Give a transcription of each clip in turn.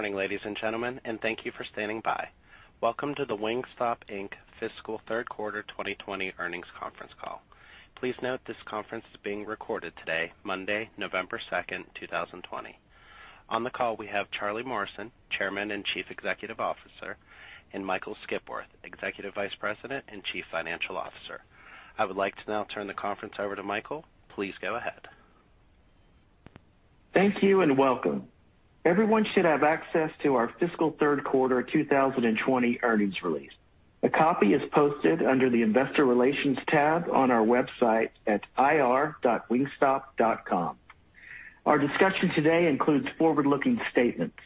Good morning, ladies and gentlemen, and thank you for standing by. Welcome to the Wingstop Inc. fiscal Q3 2020 earnings conference call. Please note this conference is being recorded today, Monday, November 2nd, 2020. On the call, we have Charlie Morrison, Chairman and Chief Executive Officer, and Michael Skipworth, Executive Vice President and Chief Financial Officer. I would like to now turn the conference over to Michael. Please go ahead. Thank you, and welcome. Everyone should have access to our fiscal Q3 2020 earnings release. A copy is posted under the investor relations tab on our website at ir.wingstop.com. Our discussion today includes forward-looking statements.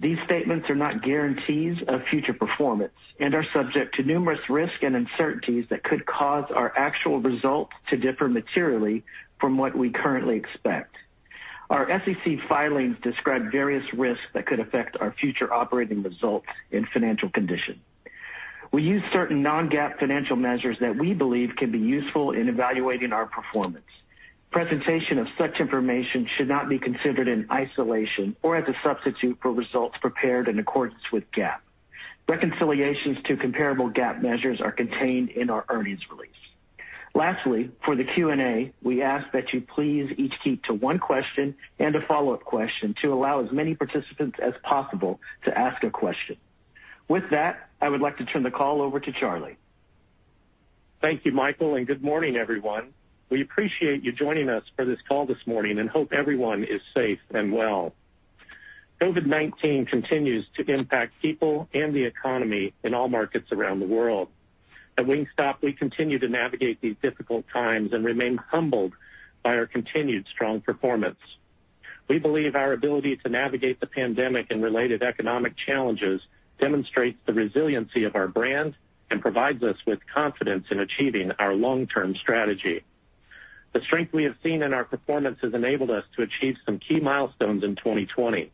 These statements are not guarantees of future performance and are subject to numerous risks and uncertainties that could cause our actual results to differ materially from what we currently expect. Our SEC filings describe various risks that could affect our future operating results and financial condition. We use certain non-GAAP financial measures that we believe can be useful in evaluating our performance. Presentation of such information should not be considered in isolation or as a substitute for results prepared in accordance with GAAP. Reconciliations to comparable GAAP measures are contained in our earnings release. Lastly, for the Q&A, we ask that you please each keep to one question and a follow-up question to allow as many participants as possible to ask a question. With that, I would like to turn the call over to Charlie. Thank you, Michael, and good morning, everyone. We appreciate you joining us for this call this morning and hope everyone is safe and well. COVID-19 continues to impact people and the economy in all markets around the world. At Wingstop, we continue to navigate these difficult times and remain humbled by our continued strong performance. We believe our ability to navigate the pandemic and related economic challenges demonstrates the resiliency of our brand and provides us with confidence in achieving our long-term strategy. The strength we have seen in our performance has enabled us to achieve some key milestones in 2020.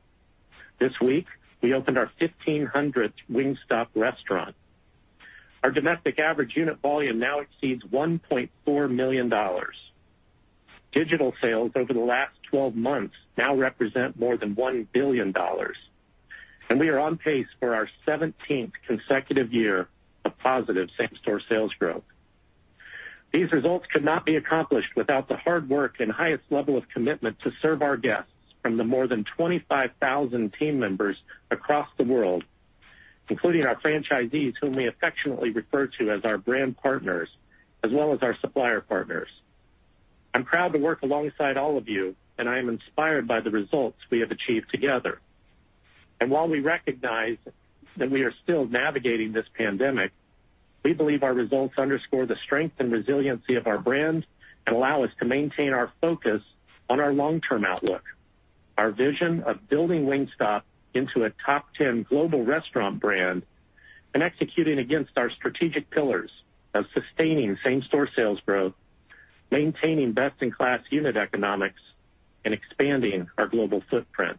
This week, we opened our 1,500th Wingstop restaurant. Our domestic average unit volume now exceeds $1.4 million. Digital sales over the last 12 months now represent more than $1 billion. We are on pace for our 17th consecutive of positive same-store sales growth. These results could not be accomplished without the hard work and highest level of commitment to serve our guests from the more than 25,000 team members across the world, including our franchisees, whom we affectionately refer to as our brand partners, as well as our supplier partners. I'm proud to work alongside all of you, and I am inspired by the results we have achieved together. While we recognize that we are still navigating this pandemic, we believe our results underscore the strength and resiliency of our brand and allow us to maintain our focus on our long-term outlook, our vision of building Wingstop into a top 10 global restaurant brand and executing against our strategic pillars of sustaining same-store sales growth, maintaining best-in-class unit economics, and expanding our global footprint.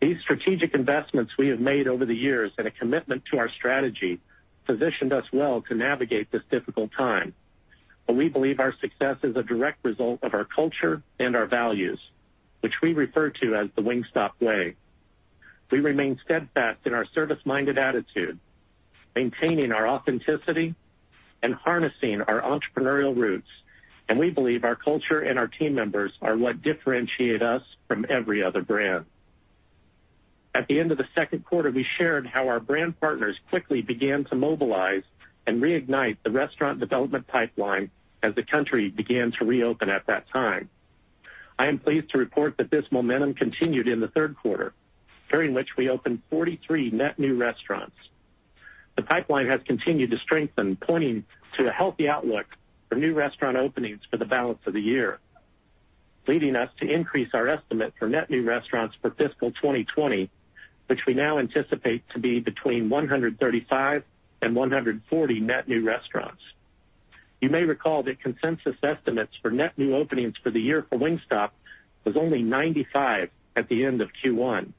These strategic investments we have made over the years and a commitment to our strategy positioned us well to navigate this difficult time, and we believe our success is a direct result of our culture and our values, which we refer to as the Wingstop Way. We remain steadfast in our service-minded attitude, maintaining our authenticity and harnessing our entrepreneurial roots, and we believe our culture and our team members are what differentiate us from every other brand. At the end of the Q2, we shared how our brand partners quickly began to mobilize and reignite the restaurant development pipeline as the country began to reopen at that time. I am pleased to report that this momentum continued in the Q3, during which we opened 43 net new restaurants. The pipeline has continued to strengthen, pointing to a healthy outlook for new restaurant openings for the balance of the year, leading us to increase our estimate for net new restaurants for fiscal 2020, which we now anticipate to be between 135 and 140 net new restaurants. You may recall that consensus estimates for net new openings for the year for Wingstop was only 95 at the end of Q1.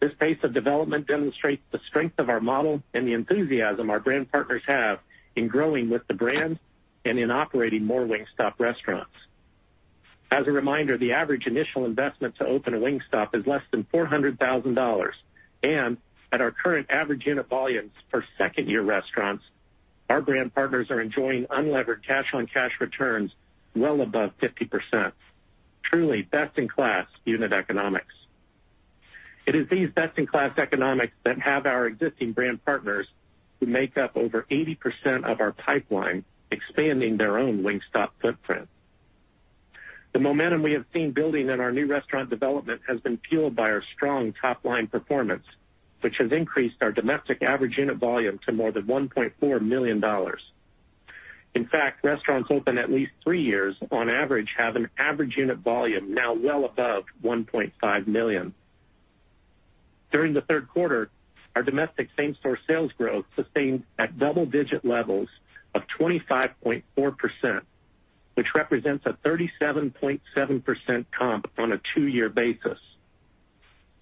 This pace of development demonstrates the strength of our model and the enthusiasm our brand partners have in growing with the brand and in operating more Wingstop restaurants. As a reminder, the average initial investment to open a Wingstop is less than $400,000, and at our current average unit volumes for second-year restaurants, our brand partners are enjoying unlevered cash-on-cash returns well above 50%. Truly best-in-class unit economics. It is these best-in-class economics that have our existing brand partners who make up over 80% of our pipeline, expanding their own Wingstop footprint. The momentum we have seen building in our new restaurant development has been fueled by our strong top-line performance, which has increased our domestic average unit volume to more than $1.4 million. In fact, restaurants open at least three years, on average, have an average unit volume now well above $1.5 million. During the Q3, our domestic same-store sales growth sustained at double-digit levels of 25.4%, which represents a 37.7% comp on a two-year basis.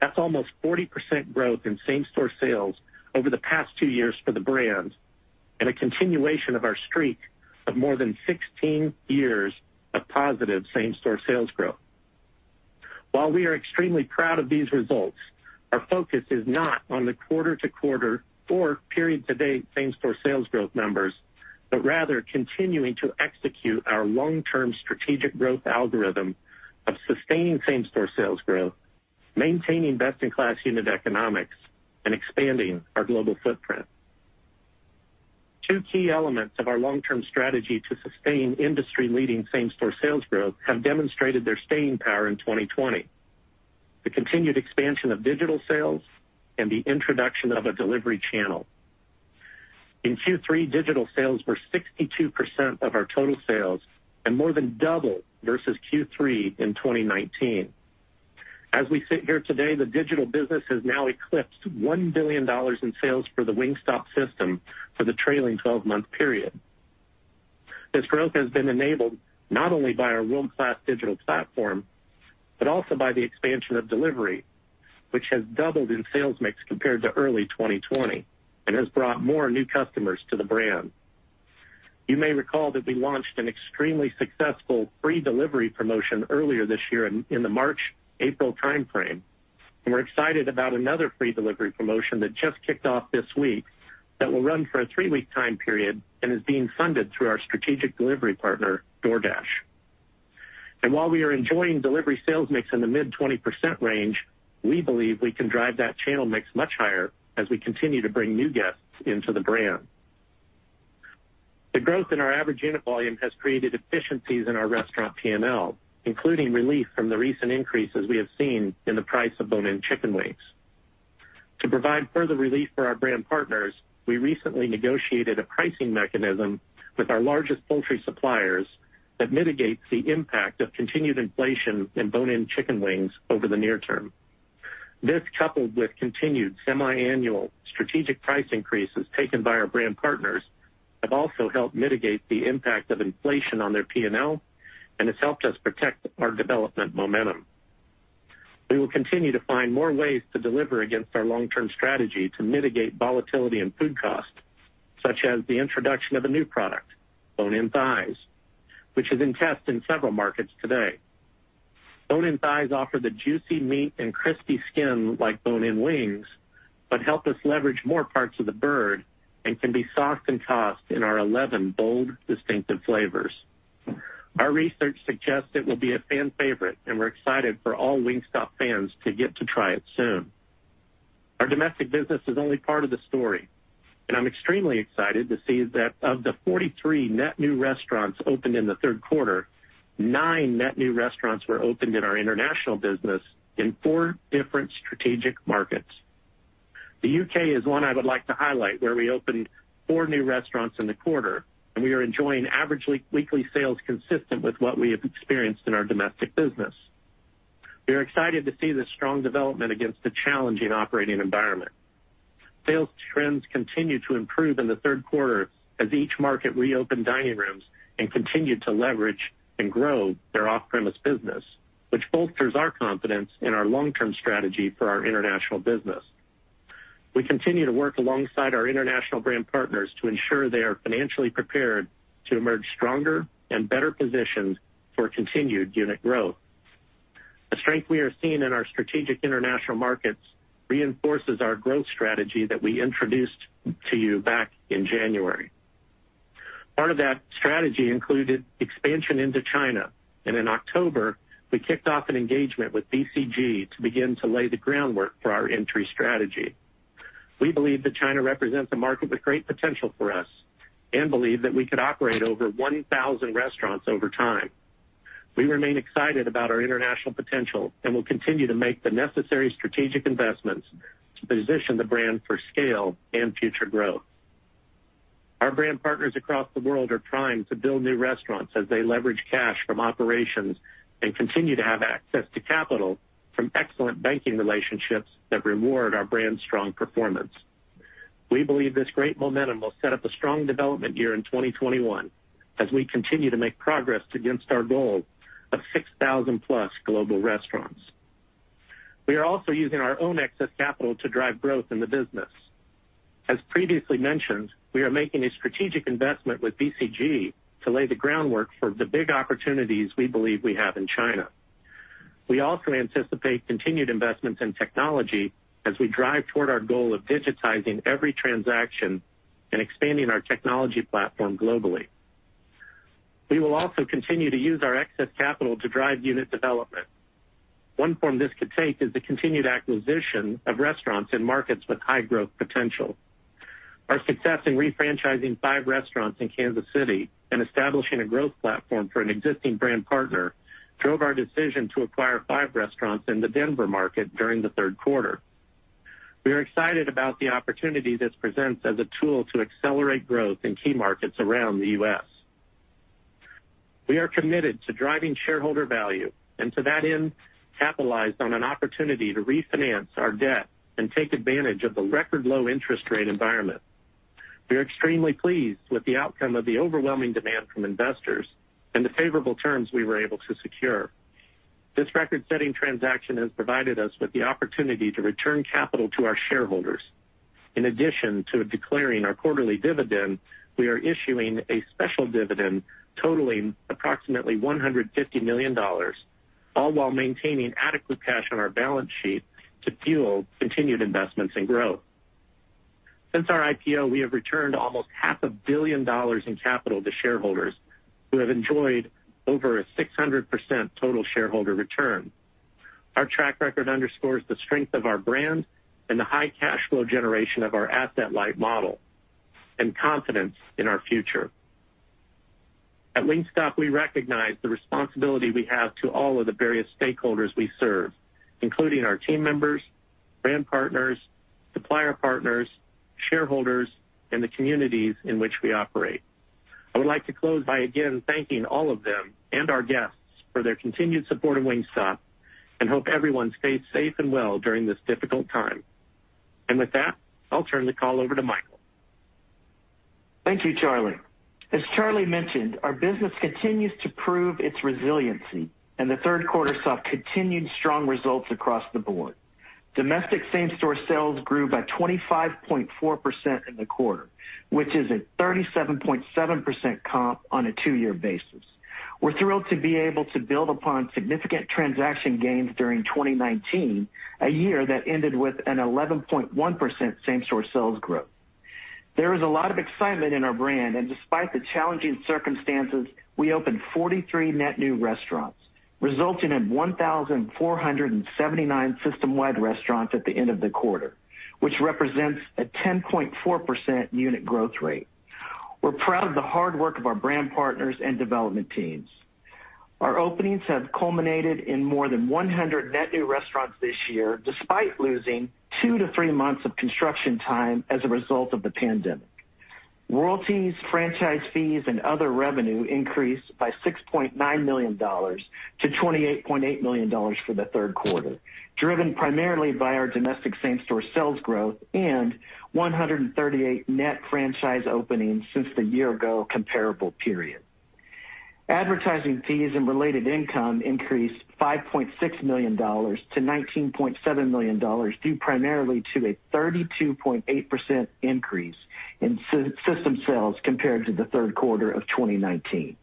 That's almost 40% growth in same-store sales over the past two years for the brand. A continuation of our streak of more than 16 years of positive same-store sales growth. While we are extremely proud of these results, our focus is not on the quarter-to- quarter or period to date same-store sales growth numbers, but rather continuing to execute our long-term strategic growth algorithm of sustaining same-store sales growth, maintaining best-in-class unit economics, and expanding our global footprint. Two key elements of our long-term strategy to sustain industry-leading same-store sales growth have demonstrated their staying power in 2020. The continued expansion of digital sales and the introduction of a delivery channel. In Q3, digital sales were 62% of our total sales and more than double versus Q3 in 2019. As we sit here today, the digital business has now eclipsed $1 billion in sales for the Wingstop system for the trailing 12-month period. This growth has been enabled not only by our world-class digital platform, but also by the expansion of delivery, which has doubled in sales mix compared to early 2020 and has brought more new customers to the brand. You may recall that we launched an extremely successful free delivery promotion earlier this year in the March, April timeframe, and we're excited about another free delivery promotion that just kicked off this week that will run for a three-week time period and is being funded through our strategic delivery partner, DoorDash. While we are enjoying delivery sales mix in the mid 20% range, we believe we can drive that channel mix much higher as we continue to bring new guests into the brand. The growth in our average unit volume has created efficiencies in our restaurant P&L, including relief from the recent increases we have seen in the price of bone-in chicken wings. To provide further relief for our brand partners, we recently negotiated a pricing mechanism with our largest poultry suppliers that mitigates the impact of continued inflation in bone-in chicken wings over the near term. This, coupled with continued semiannual strategic price increases taken by our brand partners, have also helped mitigate the impact of inflation on their P&L and has helped us protect our development momentum. We will continue to find more ways to deliver against our long-term strategy to mitigate volatility in food costs, such as the introduction of a new product, bone-in thighs, which is in test in several markets today. Bone-in thighs offer the juicy meat and crispy skin like bone-in wings, but help us leverage more parts of the bird and can be sauced and tossed in our 11 bold, distinctive flavors. Our research suggests it will be a fan favorite, and we're excited for all Wingstop fans to get to try it soon. Our domestic business is only part of the story, and I'm extremely excited to see that of the 43 net new restaurants opened in the Q3, nine net new restaurants were opened in our international business in four different strategic markets. The U.K. is one I would like to highlight, where we opened four new restaurants in the quarter, and we are enjoying average weekly sales consistent with what we have experienced in our domestic business. We are excited to see the strong development against a challenging operating environment. Sales trends continued to improve in the Q3 as each market reopened dining rooms and continued to leverage and grow their off-premise business, which bolsters our confidence in our long-term strategy for our international business. We continue to work alongside our international brand partners to ensure they are financially prepared to emerge stronger and better positioned for continued unit growth. The strength we are seeing in our strategic international markets reinforces our growth strategy that we introduced to you back in January. Part of that strategy included expansion into China, and in October, we kicked off an engagement with BCG to begin to lay the groundwork for our entry strategy. We believe that China represents a market with great potential for us and believe that we could operate over 1,000 restaurants over time. We remain excited about our international potential and will continue to make the necessary strategic investments to position the brand for scale and future growth. Our brand partners across the world are trying to build new restaurants as they leverage cash from operations and continue to have access to capital from excellent banking relationships that reward our brand's strong performance. We believe this great momentum will set up a strong development year in 2021 as we continue to make progress against our goal of 6,000-plus global restaurants. We are also using our own excess capital to drive growth in the business. As previously mentioned, we are making a strategic investment with BCG to lay the groundwork for the big opportunities we believe we have in China. We also anticipate continued investments in technology as we drive toward our goal of digitizing every transaction and expanding our technology platform globally. We will also continue to use our excess capital to drive unit development. One form this could take is the continued acquisition of restaurants in markets with high growth potential. Our success in refranchising five restaurants in Kansas City and establishing a growth platform for an existing brand partner drove our decision to acquire five restaurants in the Denver market during the Q3. We are excited about the opportunity this presents as a tool to accelerate growth in key markets around the U.S. To that end, capitalized on an opportunity to refinance our debt and take advantage of the record low interest rate environment. We are extremely pleased with the outcome of the overwhelming demand from investors and the favorable terms we were able to secure. This record-setting transaction has provided us with the opportunity to return capital to our shareholders. In addition to declaring our quarterly dividend, we are issuing a special dividend totaling approximately $150 million, all while maintaining adequate cash on our balance sheet to fuel continued investments and growth. Since our IPO, we have returned almost half a billion dollars in capital to shareholders who have enjoyed over a 600% total shareholder return. Our track record underscores the strength of our brand and the high cash flow generation of our asset-light model, and confidence in our future. At Wingstop, we recognize the responsibility we have to all of the various stakeholders we serve, including our team members, brand partners, supplier partners, shareholders, and the communities in which we operate. I would like to close by again thanking all of them and our guests for their continued support of Wingstop, and hope everyone stays safe and well during this difficult time. With that, I'll turn the call over to Michael. Thank you, Charlie. As Charlie mentioned, our business continues to prove its resiliency, and the Q3 saw continued strong results across the board. Domestic same-store sales grew by 25.4% in the quarter, which is a 37.7% comp on a two-year basis. We're thrilled to be able to build upon significant transaction gains during 2019, a year that ended with an 11.1% same-store sales growth. There is a lot of excitement in our brand, and despite the challenging circumstances, we opened 43 net new restaurants, resulting in 1,479 system-wide restaurants at the end of the quarter, which represents a 10.4% unit growth rate. We're proud of the hard work of our brand partners and development teams. Our openings have culminated in more than 100 net new restaurants this year, despite losing two to three months of construction time as a result of the pandemic. Royalties, franchise fees, and other revenue increased by $6.9 million to $28.8 million for the Q3, driven primarily by our domestic same-store sales growth and 138 net franchise openings since the year-ago comparable period. Advertising fees and related income increased $5.6 million to $19.7 million, due primarily to a 32.8% increase in system sales compared to the Q3 of 2019.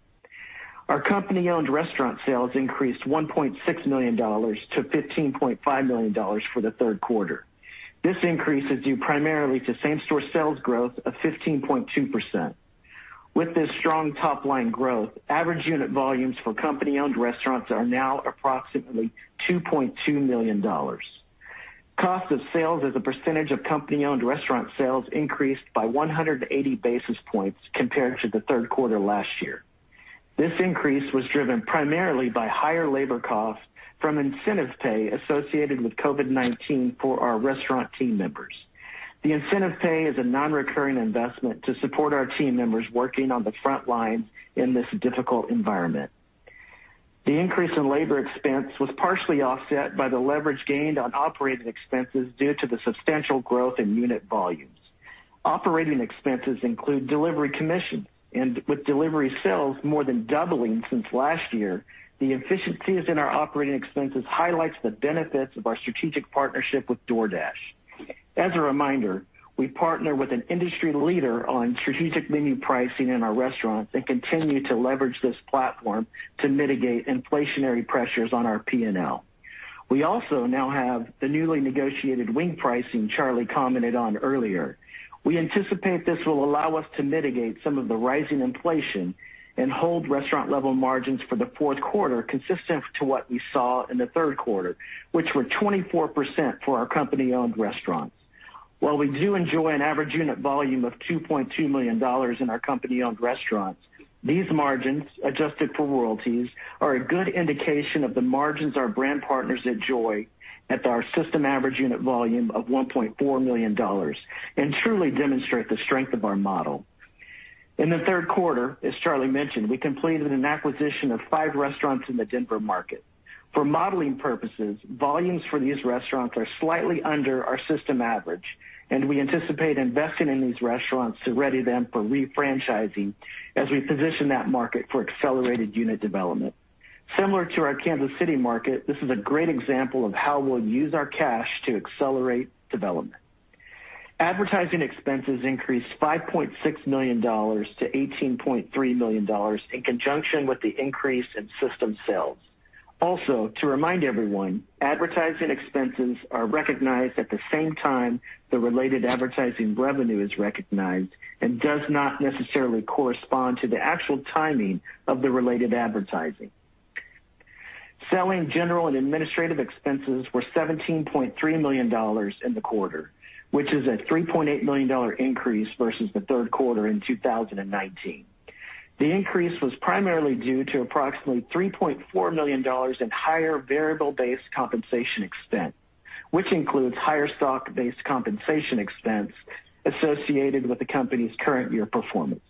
Our company-owned restaurant sales increased $1.6 million to $15.5 million for the Q3. This increase is due primarily to same-store sales growth of 15.2%. With this strong top-line growth, average unit volumes for company-owned restaurants are now approximately $2.2 million. Cost of sales as a percentage of company-owned restaurant sales increased by 180 basis points compared to the Q3 last year. This increase was driven primarily by higher labor costs from incentive pay associated with COVID-19 for our restaurant team members. The incentive pay is a non-recurring investment to support our team members working on the front lines in this difficult environment. The increase in labor expense was partially offset by the leverage gained on operating expenses due to the substantial growth in unit volumes. Operating expenses include delivery commission, and with delivery sales more than doubling since last year, the efficiencies in our operating expenses highlights the benefits of our strategic partnership with DoorDash. As a reminder, we partner with an industry leader on strategic menu pricing in our restaurants and continue to leverage this platform to mitigate inflationary pressures on our P&L. We also now have the newly negotiated wing pricing Charlie commented on earlier. We anticipate this will allow us to mitigate some of the rising inflation and hold restaurant level margins for the Q4 consistent to what we saw in the Q3, which were 24% for our company-owned restaurants. While we do enjoy an average unit volume of $2.2 million in our company-owned restaurants, these margins, adjusted for royalties, are a good indication of the margins our brand partners enjoy at our system average unit volume of $1.4 million and truly demonstrate the strength of our model. In the Q3, as Charlie mentioned, we completed an acquisition of five restaurants in the Denver market. For modeling purposes, volumes for these restaurants are slightly under our system average, and we anticipate investing in these restaurants to ready them for refranchising as we position that market for accelerated unit development. Similar to our Kansas City market, this is a great example of how we'll use our cash to accelerate development. Advertising expenses increased $5.6 million to $18.3 million in conjunction with the increase in system sales. Also, to remind everyone, advertising expenses are recognized at the same time the related advertising revenue is recognized and does not necessarily correspond to the actual timing of the related advertising. Selling, general, and administrative expenses were $17.3 million in the quarter, which is a $3.8 million increase versus the Q3 in 2019. The increase was primarily due to approximately $3.4 million in higher variable-based compensation expense, which includes higher stock-based compensation expense associated with the company's current year performance.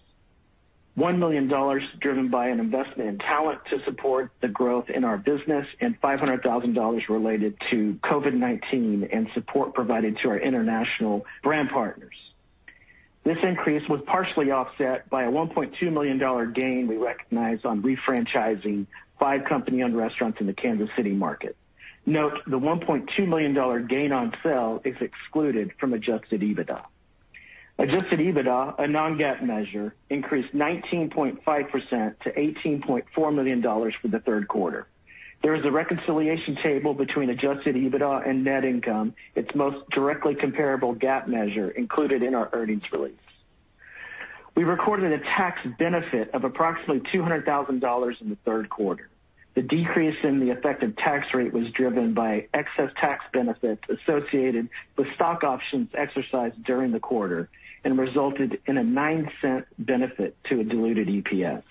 $1 million driven by an investment in talent to support the growth in our business and $500,000 related to COVID-19 and support provided to our international brand partners. This increase was partially offset by a $1.2 million gain we recognized on refranchising five company-owned restaurants in the Kansas City market. Note, the $1.2 million gain on sale is excluded from adjusted EBITDA. Adjusted EBITDA, a non-GAAP measure, increased 19.5% to $18.4 million for the Q3. There is a reconciliation table between adjusted EBITDA and net income, its most directly comparable GAAP measure included in our earnings release. We recorded a tax benefit of approximately $200,000 in the Q3. The decrease in the effective tax rate was driven by excess tax benefits associated with stock options exercised during the quarter and resulted in a $0.09 benefit to a diluted EPS.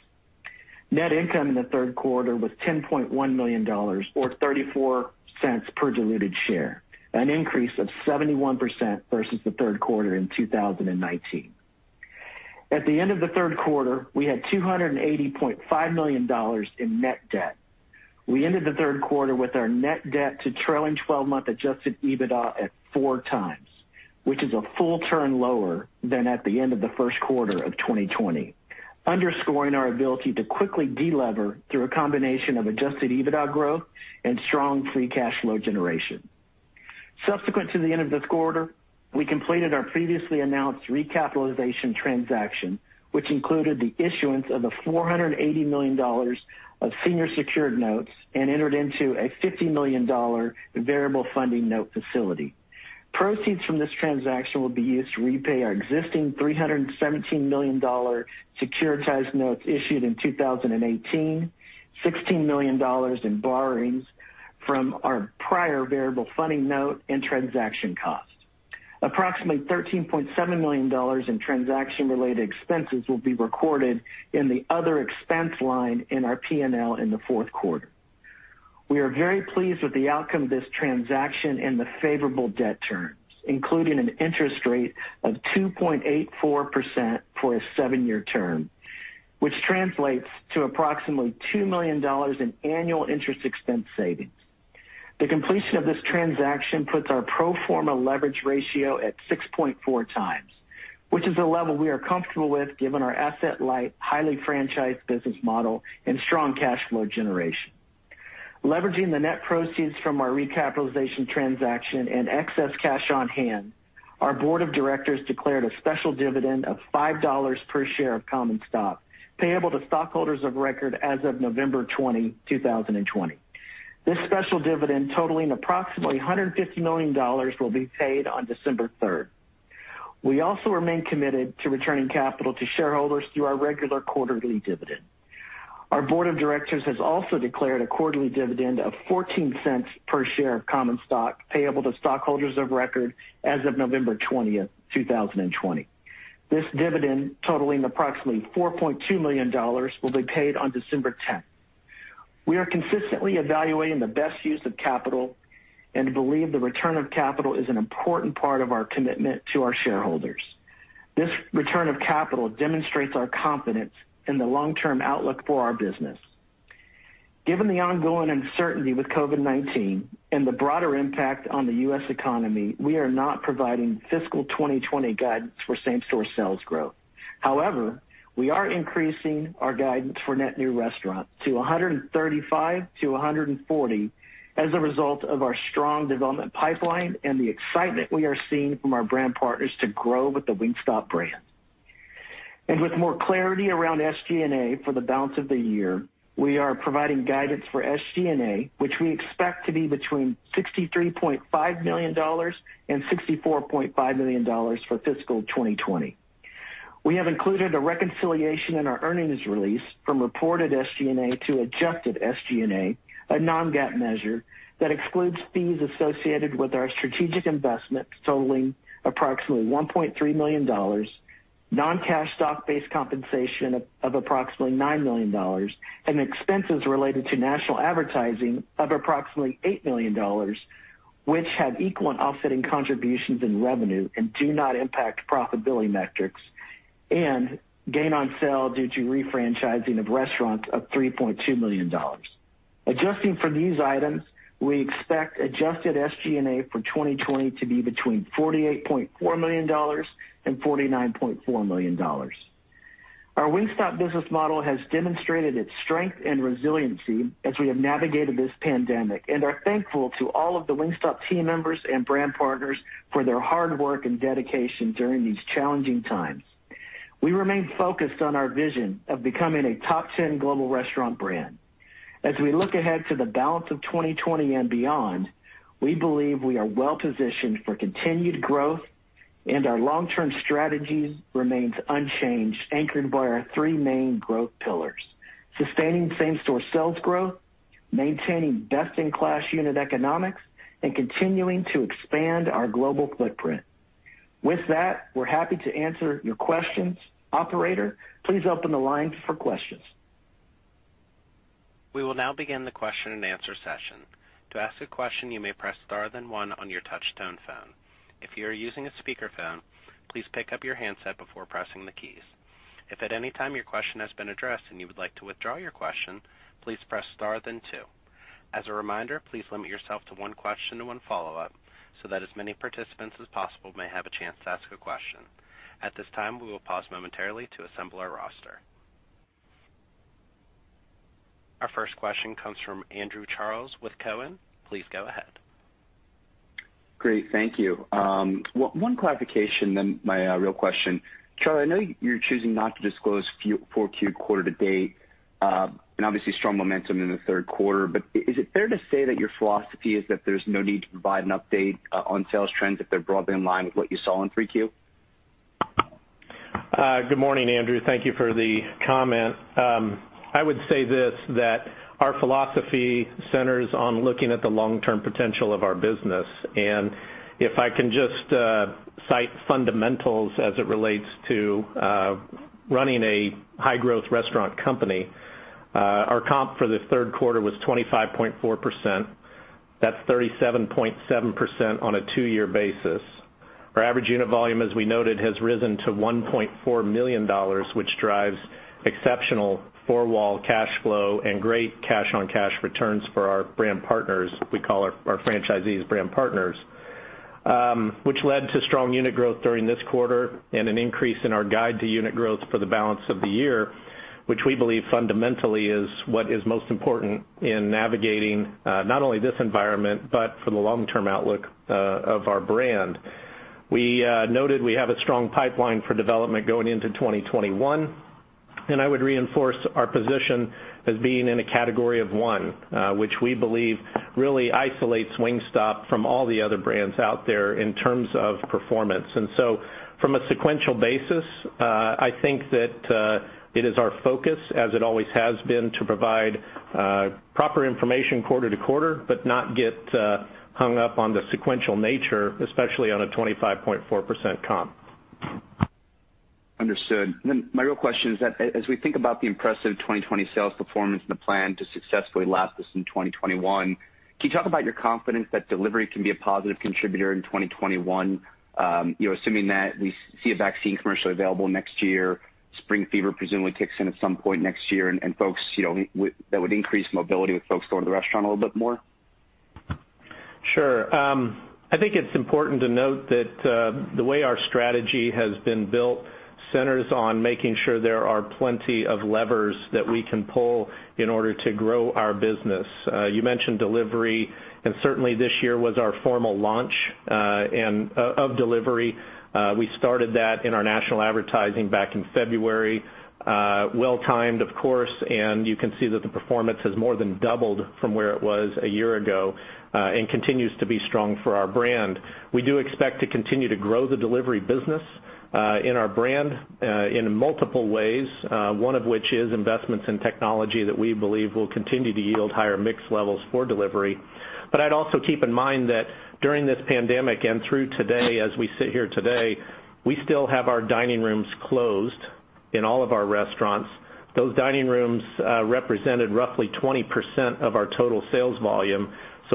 Net income in the Q3 was $10.1 million or $0.34 per diluted share, an increase of 71% versus the Q3 in 2019. At the end of the Q3, we had $280.5 million in net debt. We ended the Q3 with our net debt to trailing 12-month adjusted EBITDA at 4 times, which is a full one turn lower than at the end of the Q1 of 2020, underscoring our ability to quickly de-lever through a combination of adjusted EBITDA growth and strong free cash flow generation. Subsequent to the end of this quarter, we completed our previously announced recapitalization transaction, which included the issuance of a $480 million of senior secured notes and entered into a $50 million variable funding note facility. Proceeds from this transaction will be used to repay our existing $317 million securitized notes issued in 2018, $16 million in borrowings from our prior variable funding note and transaction cost. Approximately $13.7 million in transaction related expenses will be recorded in the other expense line in our P&L in the Q4. We are very pleased with the outcome of this transaction and the favorable debt terms, including an interest rate of 2.84% for a seven-year term, which translates to approximately $2 million in annual interest expense savings. The completion of this transaction puts our pro forma leverage ratio at 6.4 times, which is a level we are comfortable with given our asset light, highly franchised business model and strong cash flow generation. Leveraging the net proceeds from our recapitalization transaction and excess cash on hand, our board of directors declared a special dividend of $5 per share of common stock, payable to stockholders of record as of November 20, 2020. This special dividend totaling approximately $150 million will be paid on December 3rd. We also remain committed to returning capital to shareholders through our regular quarterly dividend. Our board of directors has also declared a quarterly dividend of $0.14 per share of common stock payable to stockholders of record as of November 20th, 2020. This dividend totaling approximately $4.2 million will be paid on December 10th. We are consistently evaluating the best use of capital and believe the return of capital is an important part of our commitment to our shareholders. This return of capital demonstrates our confidence in the long-term outlook for our business. Given the ongoing uncertainty with COVID-19 and the broader impact on the U.S. economy, we are not providing fiscal 2020 guidance for same-store sales growth. However, we are increasing our guidance for net new restaurants to 135-140 as a result of our strong development pipeline and the excitement we are seeing from our brand partners to grow with the Wingstop brand. With more clarity around SG&A for the balance of the year, we are providing guidance for SG&A, which we expect to be between $63.5 million and $64.5 million for fiscal 2020. We have included a reconciliation in our earnings release from reported SG&A to adjusted SG&A, a non-GAAP measure that excludes fees associated with our strategic investment totaling approximately $1.3 million, non-cash stock-based compensation of approximately $9 million, and expenses related to national advertising of approximately $8 million, which have equal and offsetting contributions in revenue and do not impact profitability metrics, and gain on sale due to refranchising of restaurants of $3.2 million. Adjusting for these items, we expect adjusted SG&A for 2020 to be between $48.4 million and $49.4 million. Our Wingstop business model has demonstrated its strength and resiliency as we have navigated this pandemic and are thankful to all of the Wingstop team members and brand partners for their hard work and dedication during these challenging times. We remain focused on our vision of becoming a top 10 global restaurant brand. As we look ahead to the balance of 2020 and beyond, we believe we are well positioned for continued growth and our long-term strategies remains unchanged, anchored by our three main growth pillars: sustaining same-store sales growth, maintaining best in class unit economics, and continuing to expand our global footprint. With that, we're happy to answer your questions. Operator, please open the line for questions. We will now begin the question and answer session. To ask a question, you may press star then one on your touch tone phone. If you are using a speakerphone, please pick up your handset before pressing the keys. If at any time your question has been addressed and you would like to withdraw your question, please press star then two. As a reminder, please limit yourself to one question and one follow-up so that as many participants as possible may have a chance to ask a question. At this time, we will pause momentarily to assemble our roster. Our first question comes from Andrew Charles with Cowen. Please go ahead. Great. Thank you. One clarification, then my real question. Charlie, I know you're choosing not to disclose for Q quarter could be, and obviously strong momentum in the Q3, is it fair to say that your philosophy is that there's no need to provide an update on sales trends if they're broadly in line with what you saw in 3Q? Good morning, Andrew. Thank you for the comment. I would say this, that our philosophy centers on looking at the long-term potential of our business. If I can just cite fundamentals as it relates to running a high-growth restaurant company, our comp for the Q3 was 25.4%. That's 37.7% on a two-year basis. Our average unit volume, as we noted, has risen to $1.4 million, which drives exceptional four-wall cash flow and great cash on cash returns for our brand partners, we call our franchisees brand partners, which led to strong unit growth during this quarter and an increase in our guide to unit growth for the balance of the year, which we believe fundamentally is what is most important in navigating, not only this environment, but for the long-term outlook of our brand. We noted we have a strong pipeline for development going into 2021, and I would reinforce our position as being in a category of one, which we believe really isolates Wingstop from all the other brands out there in terms of performance. From a sequential basis, I think that it is our focus, as it always has been, to provide proper information quarter-to-quarter, but not get hung up on the sequential nature, especially on a 25.4% comp. Understood. My real question is that as we think about the impressive 2020 sales performance and the plan to successfully lap this in 2021, can you talk about your confidence that delivery can be a positive contributor in 2021? Assuming that we see a vaccine commercially available next year, spring fever presumably kicks in at some point next year, and that would increase mobility with folks going to the restaurant a little bit more. Sure. I think it's important to note that the way our strategy has been built centers on making sure there are plenty of levers that we can pull in order to grow our business. You mentioned delivery, and certainly this year was our formal launch of delivery. We started that in our national advertising back in February. Well-timed of course, and you can see that the performance has more than doubled from where it was a year ago, and continues to be strong for our brand. We do expect to continue to grow the delivery business in our brand in multiple ways. One of which is investments in technology that we believe will continue to yield higher mix levels for delivery. I'd also keep in mind that during this pandemic and through today as we sit here today, we still have our dining rooms closed in all of our restaurants. Those dining rooms represented roughly 20% of our total sales volume.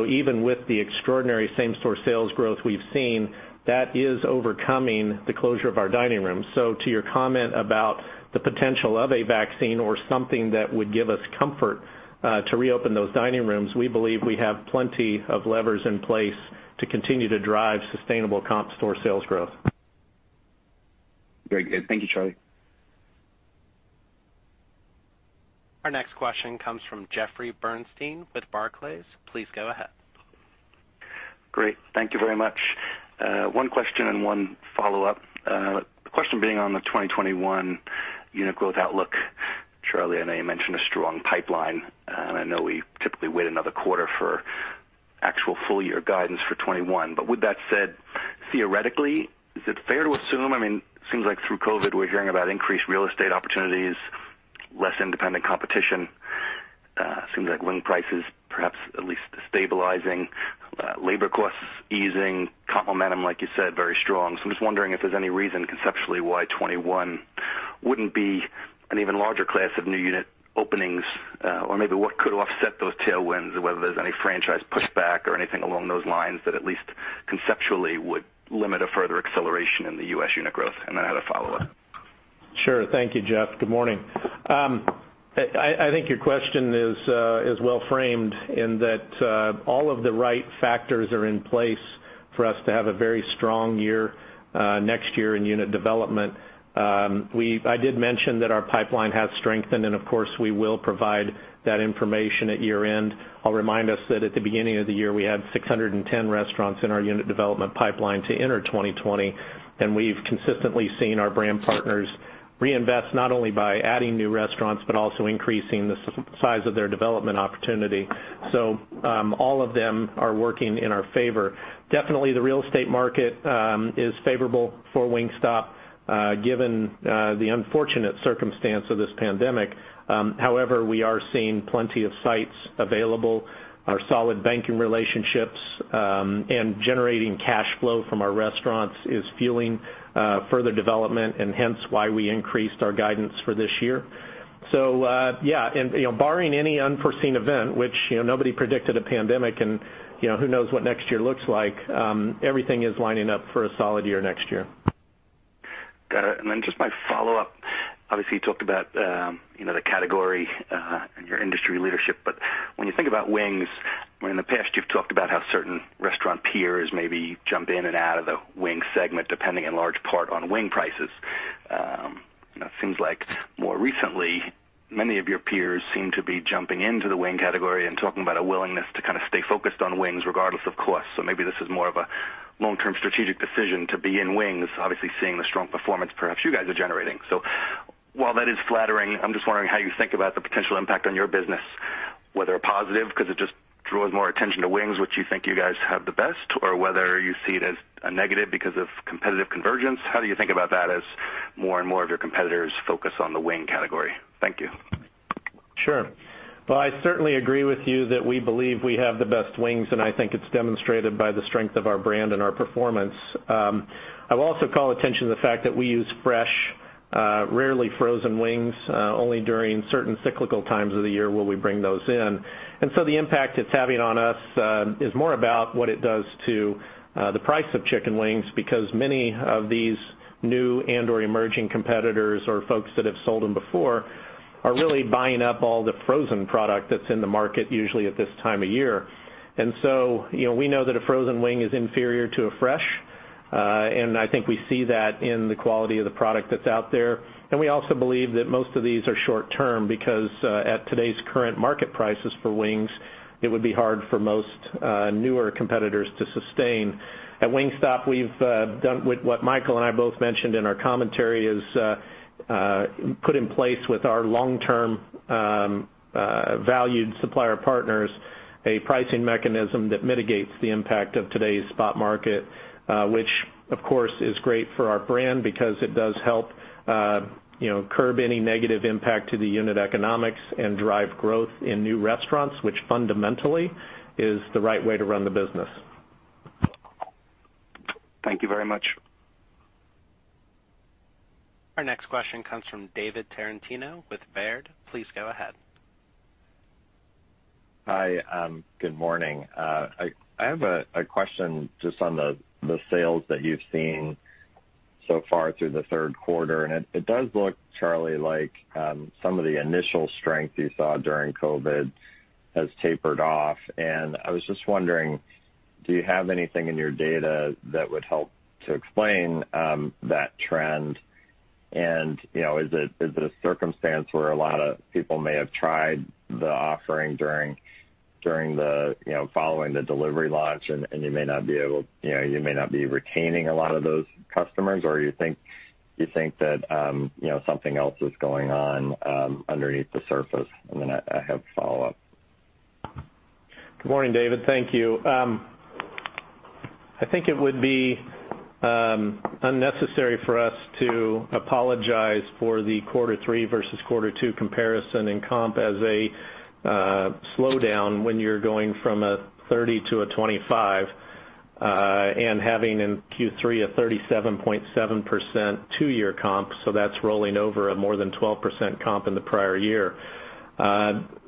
Even with the extraordinary same store sales growth we've seen, that is overcoming the closure of our dining room. To your comment about the potential of a vaccine or something that would give us comfort to reopen those dining rooms, we believe we have plenty of levers in place to continue to drive sustainable comp store sales growth. Very good. Thank you, Charlie. Our next question comes from Jeffrey Bernstein with Barclays. Please go ahead. Great. Thank you very much. One question and one follow-up. The question being on the 2021 unit growth outlook. Charlie, I know you mentioned a strong pipeline, and I know we typically wait another quarter for actual full year guidance for 2021. With that said, theoretically, is it fair to assume, it seems like through COVID-19, we're hearing about increased real estate opportunities, less independent competition. Seems like wing prices perhaps at least stabilizing, labor costs easing, comp momentum, like you said, very strong. I'm just wondering if there's any reason conceptually why 2021 wouldn't be an even larger class of new unit openings, or maybe what could offset those tailwinds or whether there's any franchise pushback or anything along those lines that at least conceptually would limit a further acceleration in the U.S. unit growth. Then I had a follow-up. Sure. Thank you, Jeff. Good morning. I think your question is well framed in that all of the right factors are in place for us to have a very strong year next year in unit development. I did mention that our pipeline has strengthened, and of course, we will provide that information at year-end. I'll remind us that at the beginning of the year, we had 610 restaurants in our unit development pipeline to enter 2020, and we've consistently seen our brand partners reinvest, not only by adding new restaurants, but also increasing the size of their development opportunity. All of them are working in our favor. Definitely the real estate market is favorable for Wingstop, given the unfortunate circumstance of this pandemic. However, we are seeing plenty of sites available. Our solid banking relationships, and generating cash flow from our restaurants is fueling further development, and hence why we increased our guidance for this year. Yeah, and barring any unforeseen event, which nobody predicted a pandemic and who knows what next year looks like, everything is lining up for a solid year next year. Got it. Just my follow-up, obviously, you talked about the category and your industry leadership, when you think about wings, in the past, you've talked about how certain restaurant peers maybe jump in and out of the wing segment, depending in large part on wing prices. It seems like more recently, many of your peers seem to be jumping into the wing category and talking about a willingness to kind of stay focused on wings regardless of cost. Maybe this is more of a long-term strategic decision to be in wings, obviously, seeing the strong performance perhaps you guys are generating. While that is flattering, I'm just wondering how you think about the potential impact on your business, whether a positive because it just draws more attention to wings, which you think you guys have the best, or whether you see it as a negative because of competitive convergence. How do you think about that as more and more of your competitors focus on the wing category? Thank you. Sure. Well, I certainly agree with you that we believe we have the best wings, and I think it's demonstrated by the strength of our brand and our performance. I will also call attention to the fact that we use fresh, rarely frozen wings. Only during certain cyclical times of the year will we bring those in. The impact it's having on us is more about what it does to the price of chicken wings, because many of these new and/or emerging competitors or folks that have sold them before are really buying up all the frozen product that's in the market, usually at this time of year. We know that a frozen wing is inferior to a fresh, and I think we see that in the quality of the product that's out there. We also believe that most of these are short-term because at today's current market prices for wings, it would be hard for most newer competitors to sustain. At Wingstop, we've done what Michael and I both mentioned in our commentary, is put in place with our long-term valued supplier partners, a pricing mechanism that mitigates the impact of today's spot market, which, of course, is great for our brand because it does help curb any negative impact to the unit economics and drive growth in new restaurants, which fundamentally is the right way to run the business. Thank you very much. Our next question comes from David Tarantino with Baird. Please go ahead. Hi. Good morning. I have a question just on the sales that you've seen so far through the Q3. It does look, Charlie, like some of the initial strength you saw during COVID-19 has tapered off. I was just wondering, do you have anything in your data that would help to explain that trend? Is it a circumstance where a lot of people may have tried the offering following the delivery launch, and you may not be retaining a lot of those customers, or you think that something else is going on underneath the surface? Then I have a follow-up. Good morning, David. Thank you. I think it would be unnecessary for us to apologize for the quarter three versus quarter two comparison in comp as a slowdown when you're going from a 30 to a 25, Having in Q3 a 37.7% two-year comp. That's rolling over a more than 12% comp in the prior year.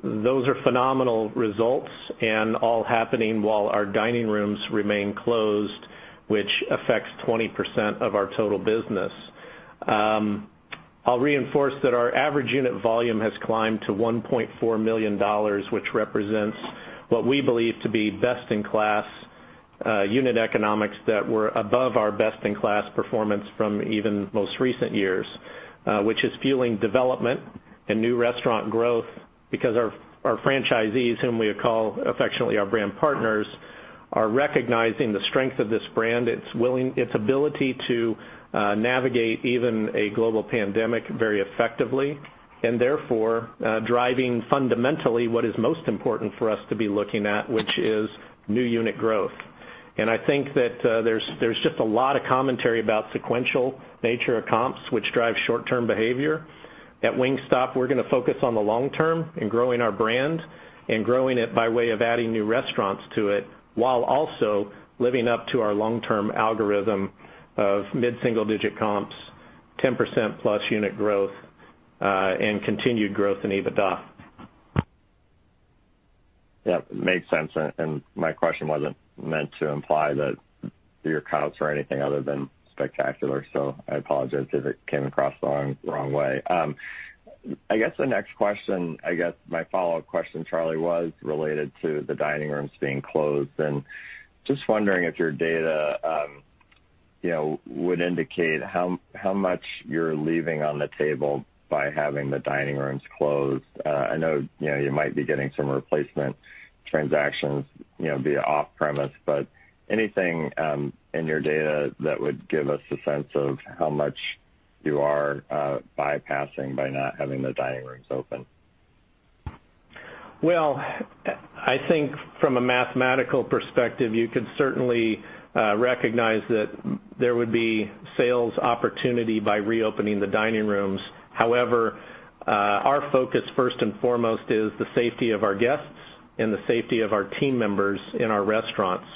Those are phenomenal results and all happening while our dining rooms remain closed, which affects 20% of our total business. I'll reinforce that our average unit volume has climbed to $1.4 million, which represents what we believe to be best-in-class unit economics that were above our best-in-class performance from even most recent years, which is fueling development and new restaurant growth because our franchisees, whom we call affectionately our brand partners, are recognizing the strength of this brand, its ability to navigate even a global pandemic very effectively, and therefore driving fundamentally what is most important for us to be looking at, which is new unit growth. I think that there's just a lot of commentary about sequential nature of comps, which drive short-term behavior. At Wingstop, we're going to focus on the long term and growing our brand and growing it by way of adding new restaurants to it, while also living up to our long-term algorithm of mid-single-digit comps, 10%-plus unit growth, and continued growth in EBITDA. Yep, makes sense. My question wasn't meant to imply that your comps are anything other than spectacular, so I apologize if it came across the wrong way. I guess my follow-up question, Charlie, was related to the dining rooms being closed, and just wondering if your data would indicate how much you're leaving on the table by having the dining rooms closed. I know you might be getting some replacement transactions via off-premise, but anything in your data that would give us a sense of how much you are bypassing by not having the dining rooms open? Well, I think from a mathematical perspective, you could certainly recognize that there would be sales opportunity by reopening the dining rooms. However, our focus, first and foremost, is the safety of our guests and the safety of our team members in our restaurants.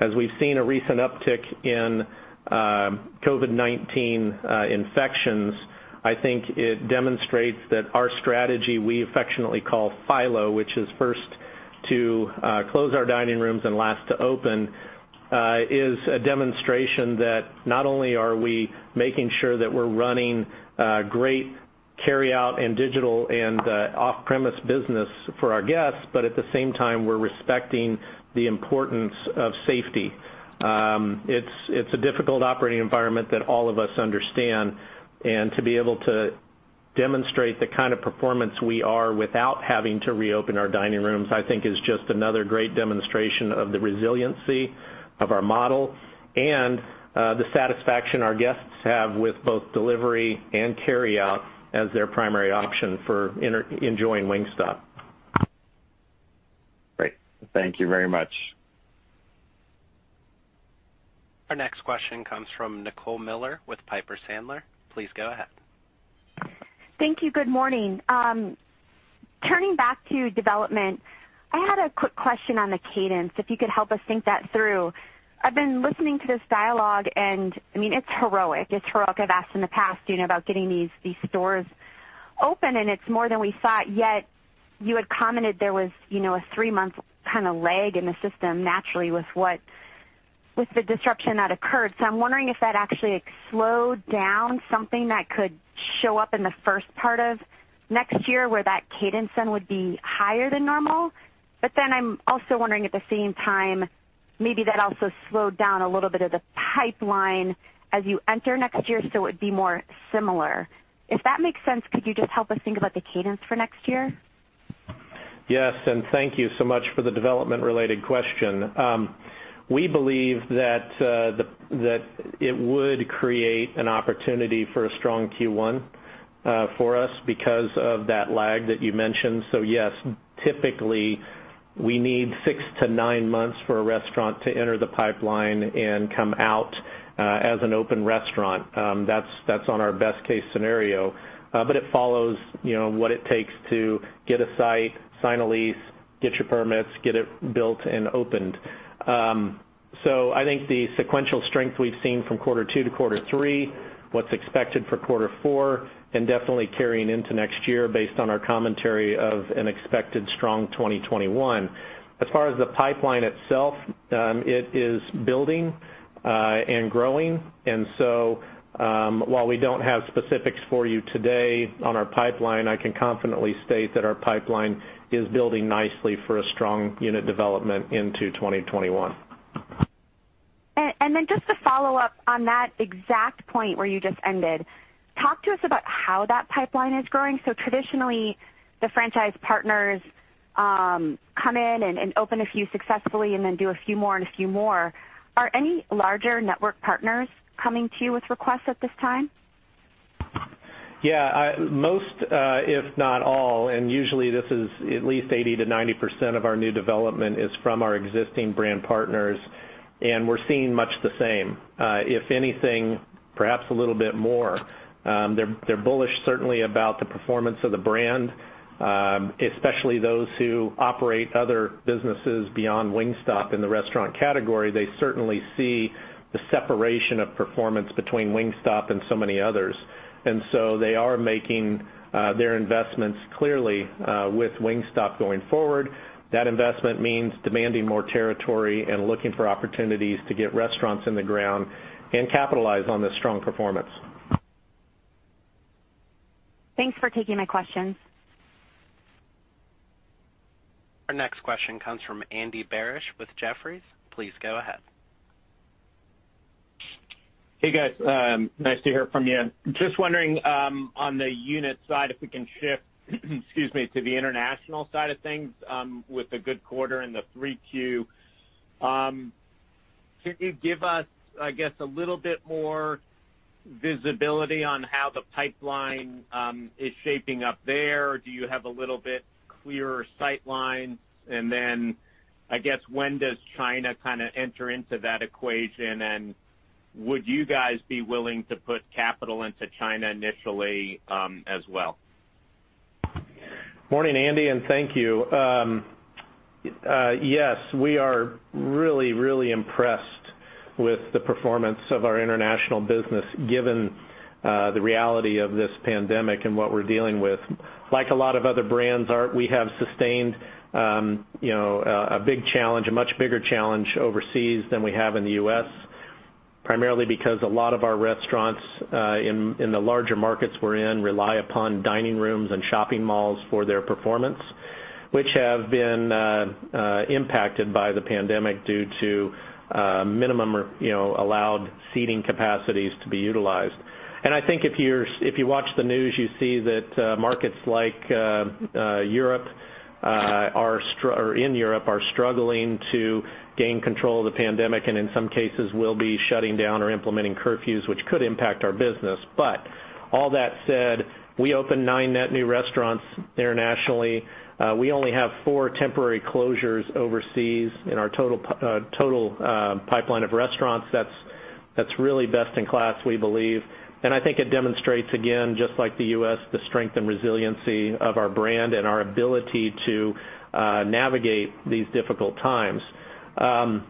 As we've seen a recent uptick in COVID-19 infections, I think it demonstrates that our strategy we affectionately call FILO, which is first to close our dining rooms and last to open, is a demonstration that not only are we making sure that we're running great carryout and digital and off-premise business for our guests. At the same time, we're respecting the importance of safety. It's a difficult operating environment that all of us understand, and to be able to demonstrate the kind of performance we are without having to reopen our dining rooms, I think is just another great demonstration of the resiliency of our model and the satisfaction our guests have with both delivery and carryout as their primary option for enjoying Wingstop. Great. Thank you very much. Our next question comes from Nicole Miller with Piper Sandler. Please go ahead. Thank you. Good morning. Turning back to development, I had a quick question on the cadence, if you could help us think that through. I've been listening to this dialogue, and it's heroic. It's heroic. I've asked in the past about getting these stores open, and it's more than we thought, yet you had commented there was a three-month lag in the system naturally with the disruption that occurred. I'm wondering if that actually slowed down something that could show up in the first part of next year where that cadence then would be higher than normal. I'm also wondering at the same time, maybe that also slowed down a little bit of the pipeline as you enter next year, so it would be more similar. If that makes sense, could you just help us think about the cadence for next year? Yes, thank you so much for the development-related question. We believe that it would create an opportunity for a strong Q1 for us because of that lag that you mentioned. Yes, typically, we need 6-9 months for a restaurant to enter the pipeline and come out as an open restaurant. That's on our best case scenario. It follows what it takes to get a site, sign a lease, get your permits, get it built, and opened. I think the sequential strength we've seen from Q2 to Q3, what's expected for Q4, and definitely carrying into next year based on our commentary of an expected strong 2021. As far as the pipeline itself, it is building and growing. While we don't have specifics for you today on our pipeline, I can confidently state that our pipeline is building nicely for a strong unit development into 2021. Just to follow up on that exact point where you just ended, talk to us about how that pipeline is growing. Traditionally, the franchise partners come in and open a few successfully and then do a few more and a few more. Are any larger network partners coming to you with requests at this time? Yeah. Most, if not all, usually this is at least 80%-90% of our new development is from our existing brand partners. We're seeing much the same. If anything, perhaps a little bit more. They're bullish certainly about the performance of the brand, especially those who operate other businesses beyond Wingstop in the restaurant category. They certainly see the separation of performance between Wingstop and so many others. They are making their investments clearly, with Wingstop going forward. That investment means demanding more territory and looking for opportunities to get restaurants in the ground and capitalize on this strong performance. Thanks for taking my questions. Our next question comes from Andy Barish with Jefferies. Please go ahead. Hey, guys. Nice to hear from you. Just wondering, on the unit side, if we can shift, excuse me, to the international side of things, with the good quarter and the 3Q. Can you give us, I guess, a little bit more visibility on how the pipeline is shaping up there? Do you have a little bit clearer sightline? Then, I guess, when does China enter into that equation, and would you guys be willing to put capital into China initially as well? Morning, Andy, and thank you. Yes, we are really, really impressed with the performance of our international business, given the reality of this pandemic and what we're dealing with. Like a lot of other brands, we have sustained a much bigger challenge overseas than we have in the U.S., primarily because a lot of our restaurants in the larger markets we're in rely upon dining rooms and shopping malls for their performance, which have been impacted by the pandemic due to minimum allowed seating capacities to be utilized. I think if you watch the news, you see that markets in Europe are struggling to gain control of the pandemic, and in some cases will be shutting down or implementing curfews, which could impact our business. All that said, we opened nine net new restaurants internationally. We only have four temporary closures overseas in our total pipeline of restaurants. That's really best in class, we believe. I think it demonstrates, again, just like the U.S., the strength and resiliency of our brand and our ability to navigate these difficult times.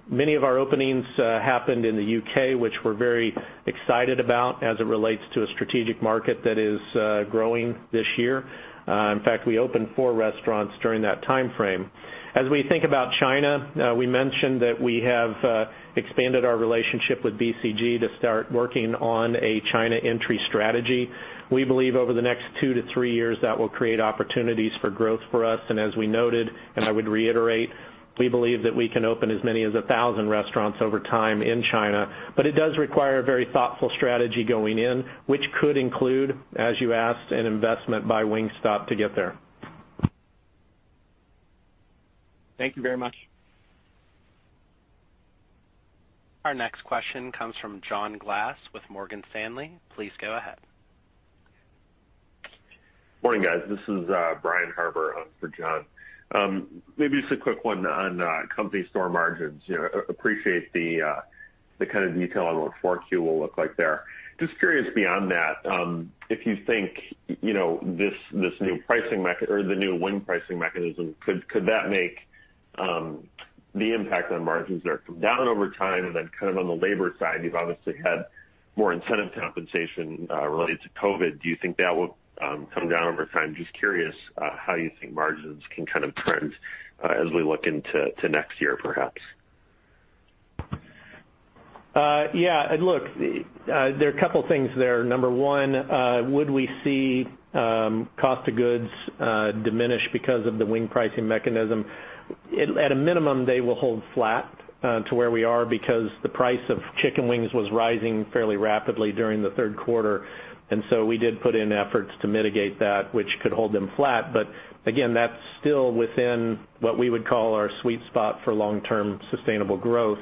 Many of our openings happened in the U.K., which we're very excited about as it relates to a strategic market that is growing this year. In fact, we opened 4 restaurants during that timeframe. As we think about China, we mentioned that we have expanded our relationship with BCG to start working on a China entry strategy. We believe over the next two to three years, that will create opportunities for growth for us. As we noted, and I would reiterate, we believe that we can open as many as 1,000 restaurants over time in China. It does require a very thoughtful strategy going in, which could include, as you asked, an investment by Wingstop to get there. Thank you very much. Our next question comes from John Glass with Morgan Stanley. Please go ahead. Morning, guys. This is Brian Harbour for Jon. Maybe just a quick one on company store margins. Appreciate the kind of detail on what 4Q will look like there. Curious beyond that, if you think the new wing pricing mechanism, could that make the impact on margins there come down over time? On the labor side, you've obviously had more incentive compensation related to COVID. Do you think that will come down over time? Curious how you think margins can kind of trend as we look into to next year, perhaps. Yeah. Look, there are a couple things there. Number 1, would we see cost of goods diminish because of the wing pricing mechanism? At a minimum, they will hold flat to where we are because the price of chicken wings was rising fairly rapidly during the Q3, we did put in efforts to mitigate that, which could hold them flat. Again, that's still within what we would call our sweet spot for long-term sustainable growth.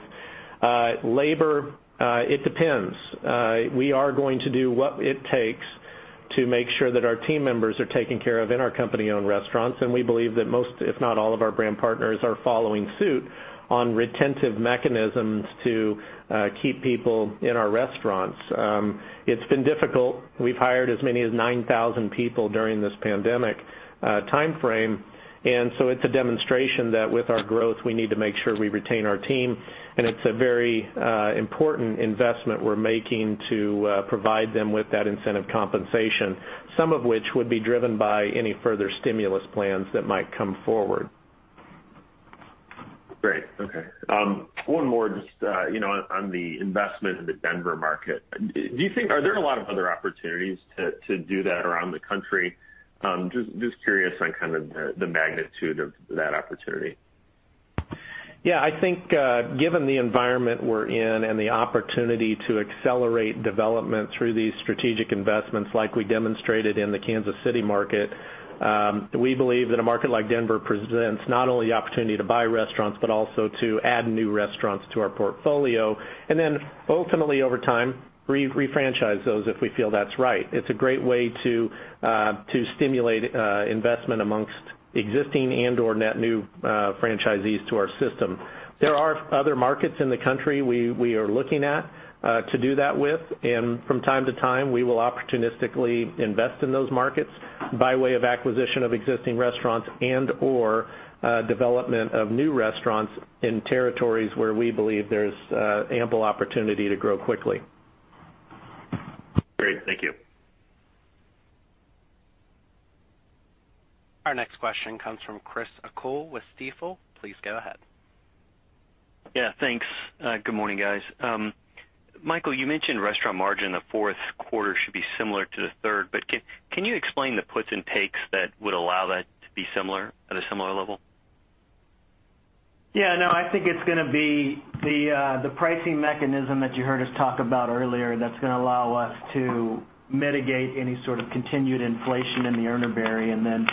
Labor, it depends. We are going to do what it takes to make sure that our team members are taken care of in our company-owned restaurants, and we believe that most, if not all of our brand partners are following suit on retentive mechanisms to keep people in our restaurants. It's been difficult. We've hired as many as 9,000 people during this pandemic timeframe, and so it's a demonstration that with our growth, we need to make sure we retain our team, and it's a very important investment we're making to provide them with that incentive compensation, some of which would be driven by any further stimulus plans that might come forward. Great. Okay. One more just on the investment in the Denver market. Are there a lot of other opportunities to do that around the country? Just curious on kind of the magnitude of that opportunity. Yeah, I think given the environment we're in and the opportunity to accelerate development through these strategic investments like we demonstrated in the Kansas City market, we believe that a market like Denver presents not only the opportunity to buy restaurants, but also to add new restaurants to our portfolio. Ultimately, over time, re-franchise those if we feel that's right. It's a great way to stimulate investment amongst existing and/or net new franchisees to our system. There are other markets in the country we are looking at to do that with. From time to time, we will opportunistically invest in those markets by way of acquisition of existing restaurants and/or development of new restaurants in territories where we believe there's ample opportunity to grow quickly. Great. Thank you. Our next question comes from Chris O'Cull with Stifel. Please go ahead. Yeah, thanks. Good morning, guys. Michael, you mentioned restaurant margin in the Q4 should be similar to the third, but can you explain the puts and takes that would allow that to be at a similar level? Yeah. No, I think it's going to be the pricing mechanism that you heard us talk about earlier that's going to allow us to mitigate any sort of continued inflation in the commodity, and then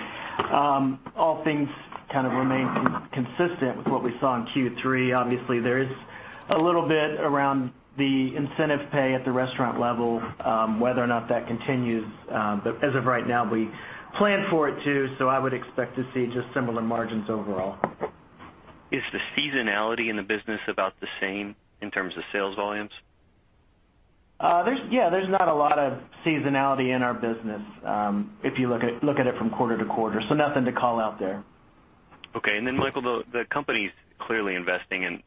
all things kind of remain consistent with what we saw in Q3. Obviously, there is a little bit around the incentive pay at the restaurant level, whether or not that continues. But as of right now, we plan for it to, so I would expect to see just similar margins overall. Is the seasonality in the business about the same in terms of sales volumes? Yeah, there's not a lot of seasonality in our business if you look at it from quarter-to- quarter. Nothing to call out there. Okay. Michael, the company's clearly investing in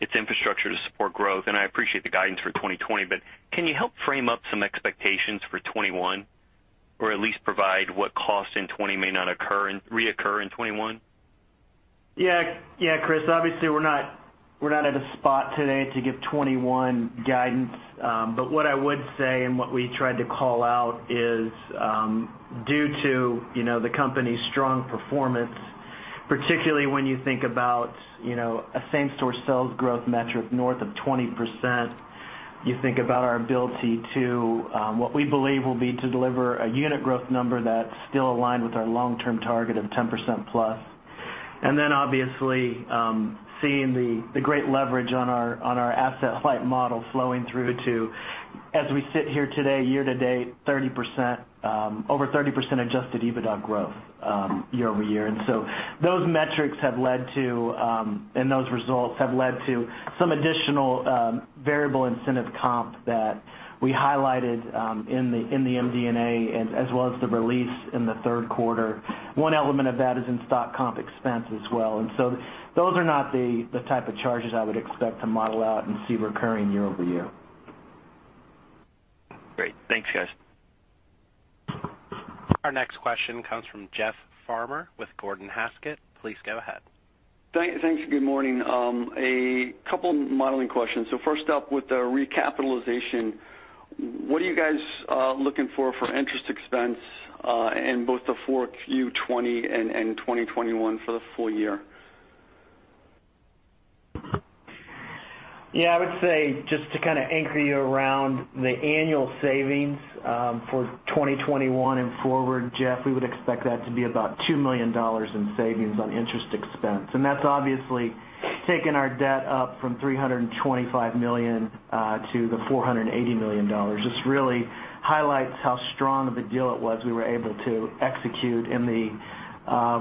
its infrastructure to support growth, I appreciate the guidance for 2020, can you help frame up some expectations for 2021? At least provide what cost in 2020 may not reoccur in 2021? Chris. Obviously, we're not at a spot today to give 2021 guidance. What I would say and what we tried to call out is due to the company's strong performance, particularly when you think about a same-store sales growth metric north of 20%, you think about our ability to what we believe will be to deliver a unit growth number that's still aligned with our long-term target of 10% plus. Then obviously, seeing the great leverage on our asset-light model flowing through to, as we sit here today, year to date, over 30% adjusted EBITDA growth year-over-year. So those metrics and those results have led to some additional variable incentive comp that we highlighted in the MD&A as well as the release in the Q3. One element of that is in stock comp expense as well, and so those are not the type of charges I would expect to model out and see recurring year-over-year. Great. Thanks, guys. Our next question comes from Jeff Farmer with Gordon Haskett. Please go ahead. Thanks, and good morning. A couple modeling questions. First up with the recapitalization, what are you guys looking for interest expense in both the 4Q 2020 and 2021 for the full year? Yeah, I would say just to anchor you around the annual savings for 2021 and forward, Jeff, we would expect that to be about $2 million in savings on interest expense. That's obviously taken our debt up from $325 million to the $480 million. Just really highlights how strong of a deal it was we were able to execute and the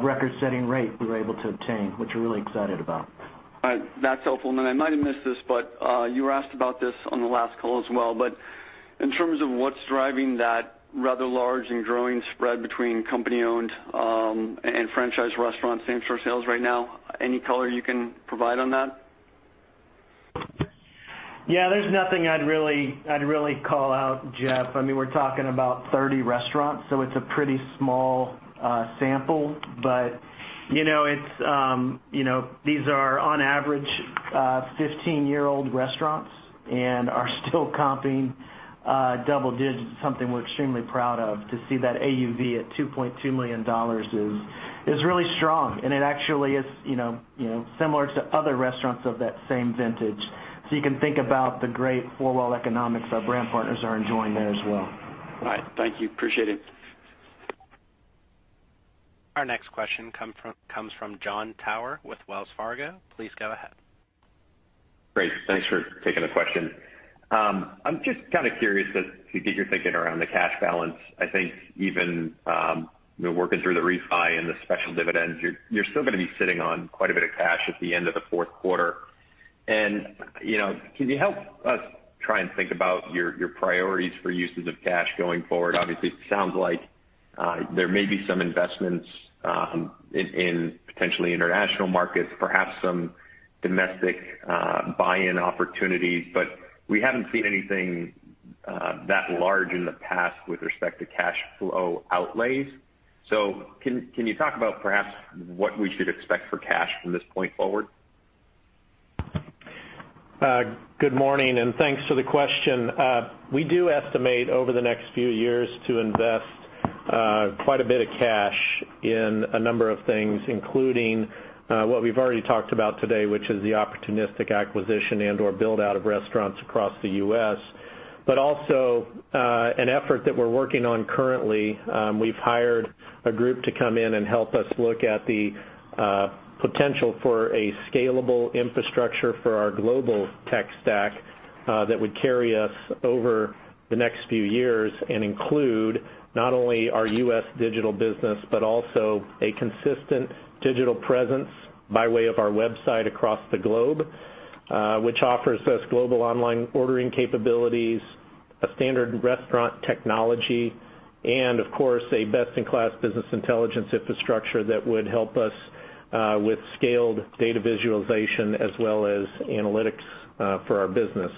record-setting rate we were able to obtain, which we're really excited about. All right. That's helpful. I might have missed this, but you were asked about this on the last call as well, but in terms of what's driving that rather large and growing spread between company-owned and franchise restaurants same-store sales right now, any color you can provide on that? Yeah, there's nothing I'd really call out, Jeff. We're talking about 30 restaurants, so it's a pretty small sample, but these are, on average, 15-year-old restaurants and are still comping double digits. Something we're extremely proud of. To see that AUV at $2.2 million is really strong, and it actually is similar to other restaurants of that same vintage. You can think about the great four-wall economics our brand partners are enjoying there as well. All right. Thank you. Appreciate it. Our next question comes from Jon Tower with Wells Fargo. Please go ahead. Great. Thanks for taking the question. I'm just kind of curious as to get your thinking around the cash balance. I think even working through the refi and the special dividends, you're still going to be sitting on quite a bit of cash at the end of the Q4. Can you help us try and think about your priorities for uses of cash going forward? Obviously, it sounds like there may be some investments in potentially international markets, perhaps some domestic buy-in opportunities, but we haven't seen anything that large in the past with respect to cash flow outlays. Can you talk about perhaps what we should expect for cash from this point forward? Good morning. Thanks for the question. We do estimate over the next few years to invest quite a bit of cash in a number of things, including what we've already talked about today, which is the opportunistic acquisition and/or build-out of restaurants across the U.S. Also, an effort that we're working on currently. We've hired a group to come in and help us look at the potential for a scalable infrastructure for our global tech stack that would carry us over the next few years and include not only our U.S. digital business, but also a consistent digital presence by way of our website across the globe, which offers us global online ordering capabilities, a standard restaurant technology, and of course, a best-in-class business intelligence infrastructure that would help us with scaled data visualization as well as analytics for our business.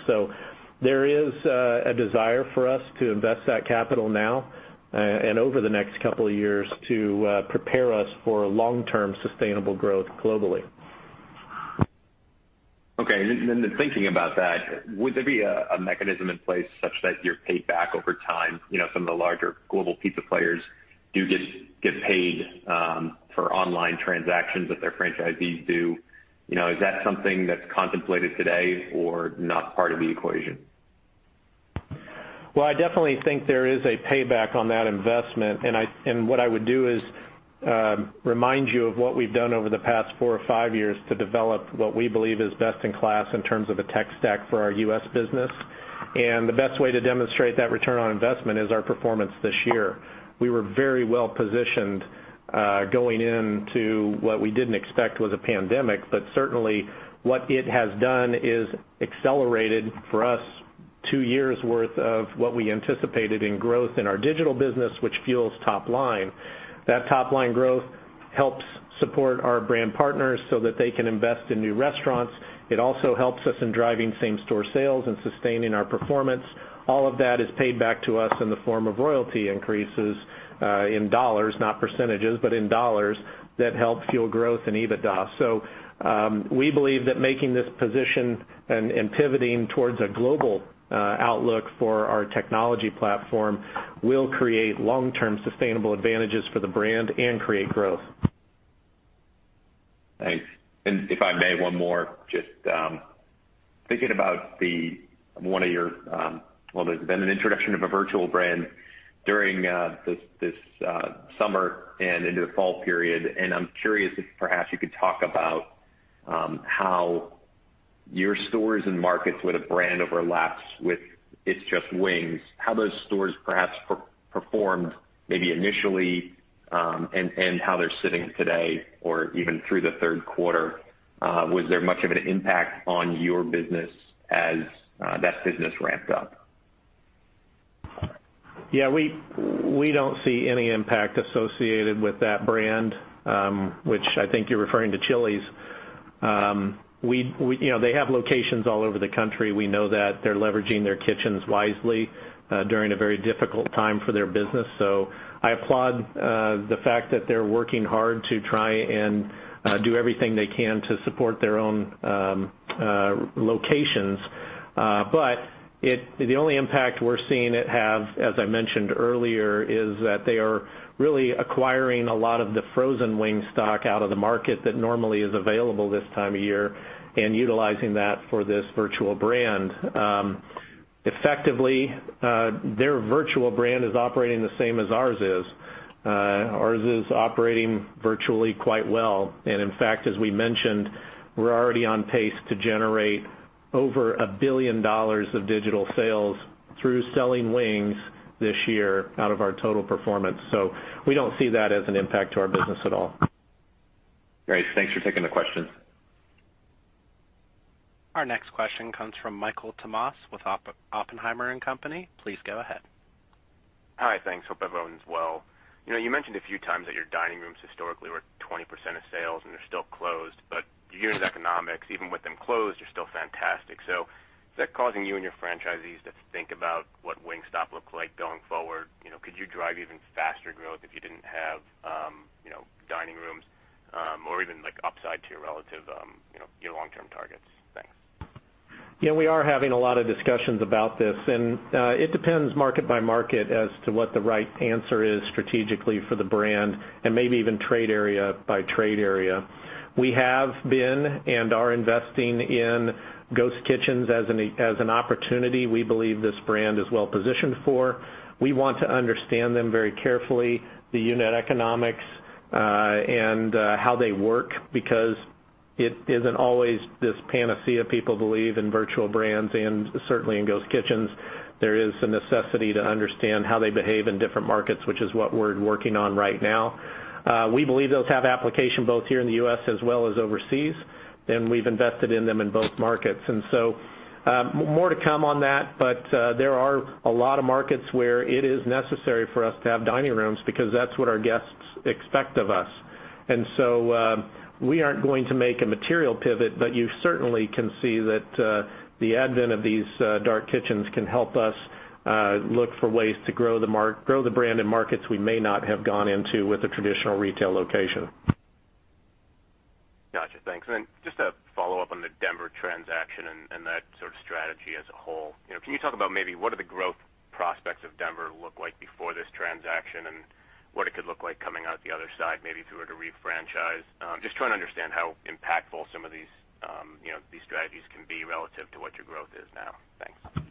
There is a desire for us to invest that capital now and over the next couple of years to prepare us for long-term sustainable growth globally. Okay, thinking about that, would there be a mechanism in place such that you're paid back over time? Some of the larger global pizza players do get paid for online transactions that their franchisees do. Is that something that's contemplated today or not part of the equation? Well, I definitely think there is a payback on that investment, and what I would do is remind you of what we've done over the past four or five years to develop what we believe is best in class in terms of a tech stack for our U.S. business. The best way to demonstrate that return on investment is our performance this year. We were very well positioned going into what we didn't expect was a pandemic. Certainly what it has done is accelerated for us two years' worth of what we anticipated in growth in our digital business, which fuels top line. That top-line growth helps support our brand partners so that they can invest in new restaurants. It also helps us in driving same-store sales and sustaining our performance. All of that is paid back to us in the form of royalty increases in dollars, not percentages, but in dollars that help fuel growth and EBITDA. We believe that making this position and pivoting towards a global outlook for our technology platform will create long-term sustainable advantages for the brand and create growth. Thanks. If I may, one more. Just thinking about one of your Well, there's been an introduction of a virtual brand during this summer and into the fall period, and I'm curious if perhaps you could talk about how your stores and markets where the brand overlaps with It's Just Wings, how those stores perhaps performed maybe initially, and how they're sitting today or even through the Q3. Was there much of an impact on your business as that business ramped up? Yeah, we don't see any impact associated with that brand, which I think you're referring to Chili's. They have locations all over the country. We know that they're leveraging their kitchens wisely during a very difficult time for their business. I applaud the fact that they're working hard to try and do everything they can to support their own locations. The only impact we're seeing it have, as I mentioned earlier, is that they are really acquiring a lot of the frozen wing stock out of the market that normally is available this time of year and utilizing that for this virtual brand. Effectively, their virtual brand is operating the same as ours is. Ours is operating virtually quite well. In fact, as we mentioned, we're already on pace to generate over $1 billion of digital sales through selling wings this year out of our total performance. We don't see that as an impact to our business at all. Great. Thanks for taking the question. Our next question comes from Michael Tamas with Oppenheimer & Co. Inc. Please go ahead. Hi. Thanks. Hope everyone's well. You mentioned a few times that your dining rooms historically were 20% of sales, and they're still closed, but your unit economics, even with them closed, are still fantastic. Is that causing you and your franchisees to think about what Wingstop looks like going forward? Could you drive even faster growth if you didn't have dining rooms, or even upside to your long-term targets? Thanks. Yeah, we are having a lot of discussions about this. It depends market by market as to what the right answer is strategically for the brand and maybe even trade area by trade area. We have been and are investing in ghost kitchens as an opportunity we believe this brand is well positioned for. We want to understand them very carefully, the unit economics, and how they work, because it isn't always this panacea people believe in virtual brands and certainly in ghost kitchens. There is a necessity to understand how they behave in different markets, which is what we're working on right now. We believe those have application both here in the U.S. as well as overseas, and we've invested in them in both markets. More to come on that, but there are a lot of markets where it is necessary for us to have dining rooms because that's what our guests expect of us. We aren't going to make a material pivot, but you certainly can see that the advent of these dark kitchens can help us look for ways to grow the brand in markets we may not have gone into with a traditional retail location. Got you. Thanks. Then just a follow-up on the Denver transaction and that sort of strategy as a whole. Can you talk about maybe what are the growth prospects of Denver look like before this transaction and what it could look like coming out the other side, maybe if you were to refranchise? Just trying to understand how impactful some of these strategies can be relative to what your growth is now. Thanks.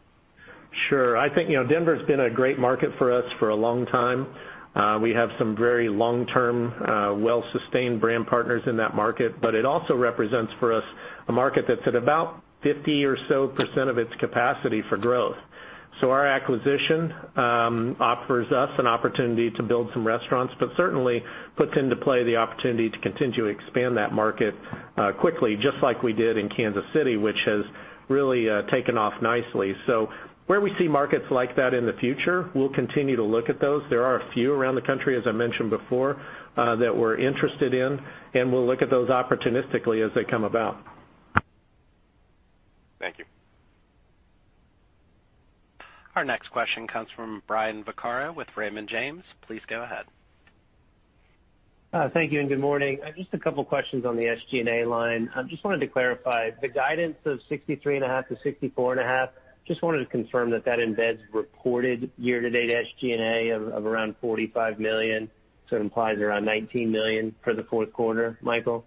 Sure. I think Denver's been a great market for us for a long time. We have some very long-term, well-sustained brand partners in that market, but it also represents for us a market that's at about 50% or so of its capacity for growth. Our acquisition offers us an opportunity to build some restaurants, but certainly puts into play the opportunity to continue to expand that market quickly, just like we did in Kansas City, which has really taken off nicely. Where we see markets like that in the future, we'll continue to look at those. There are a few around the country, as I mentioned before, that we're interested in, and we'll look at those opportunistically as they come about. Thank you. Our next question comes from Brian Vaccaro with Raymond James. Please go ahead. Thank you and good morning. Just a couple questions on the SG&A line. Just wanted to clarify the guidance of $63 and a half to $64 and a half. Just wanted to confirm that embeds reported year-to-date SG&A of around $45 million, so it implies around $19 million for the Q4, Michael?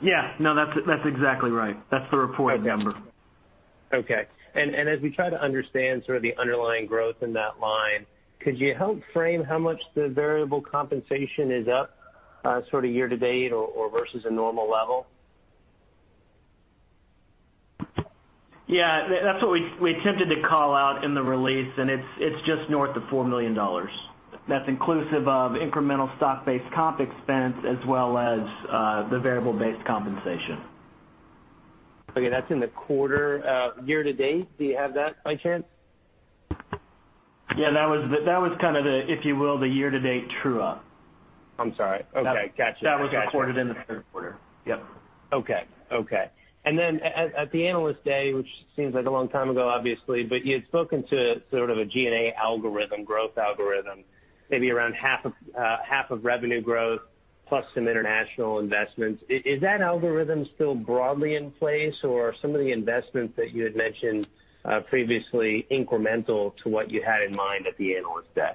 Yeah. No, that's exactly right. That's the reported number. As we try to understand sort of the underlying growth in that line, could you help frame how much the variable compensation is up sort of year to date or versus a normal level? Yeah, that's what we attempted to call out in the release. It's just north of $4 million. That's inclusive of incremental stock-based comp expense as well as the variable-based compensation. That's in the quarter year to date. Do you have that by chance? Yeah, that was kind of the, if you will, the year-to-date true up. I'm sorry. Okay. Gotcha. That was recorded in the Q3. Yep. Okay. At the Analyst Day, which seems like a long time ago, obviously, you had spoken to sort of a G&A algorithm, growth algorithm, maybe around half of revenue growth plus some international investments. Is that algorithm still broadly in place or are some of the investments that you had mentioned previously incremental to what you had in mind at the Analyst Day?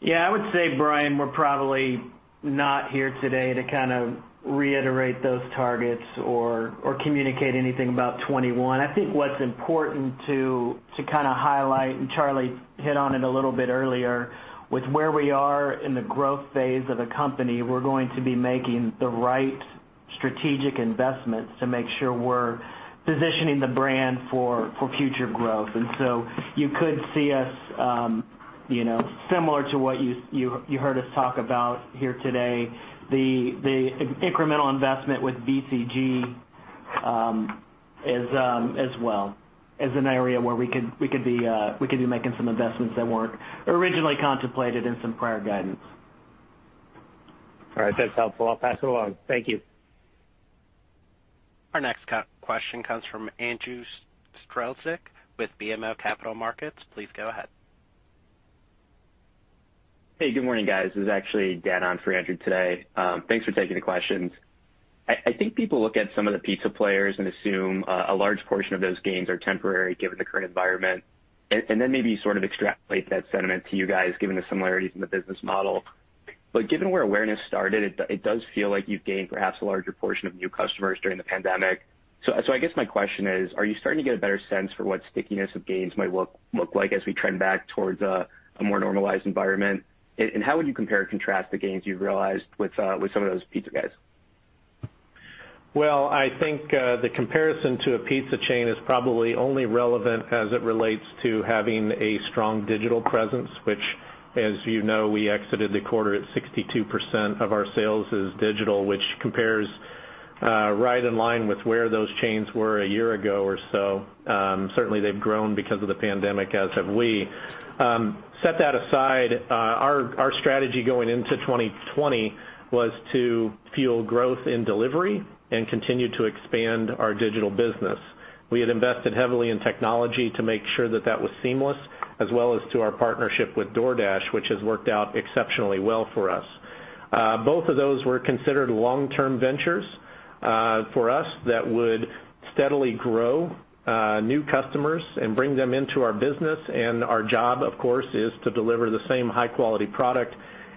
Yeah, I would say, Brian, we're probably not here today to kind of reiterate those targets or communicate anything about 2021. I think what's important to kind of highlight, and Charlie hit on it a little bit earlier, with where we are in the growth phase of the company, we're going to be making the right strategic investments to make sure we're positioning the brand for future growth. You could see us, similar to what you heard us talk about here today, the incremental investment with BCG as well, as an area where we could be making some investments that weren't originally contemplated in some prior guidance. All right, that's helpful. I'll pass it along. Thank you. Our next question comes from Andrew Strelzik with BMO Capital Markets. Please go ahead. Hey, good morning, guys. This is actually Dan on for Andrew today. Thanks for taking the questions. I think people look at some of the pizza players and assume a large portion of those gains are temporary given the current environment, and then maybe sort of extrapolate that sentiment to you guys, given the similarities in the business model. Given where awareness started, it does feel like you've gained perhaps a larger portion of new customers during the pandemic. I guess my question is: are you starting to get a better sense for what stickiness of gains might look like as we trend back towards a more normalized environment? How would you compare and contrast the gains you've realized with some of those pizza guys? Well, I think the comparison to a pizza chain is probably only relevant as it relates to having a strong digital presence. Which, as you know, we exited the quarter at 62% of our sales as digital, which compares right in line with where those chains were a year ago or so. They've grown because of the pandemic, as have we. Set that aside, our strategy going into 2020 was to fuel growth in delivery and continue to expand our digital business. We had invested heavily in technology to make sure that that was seamless, as well as to our partnership with DoorDash, which has worked out exceptionally well for us. Both of those were considered long-term ventures for us that would steadily grow new customers and bring them into our business. Our job, of course, is to deliver the same high-quality product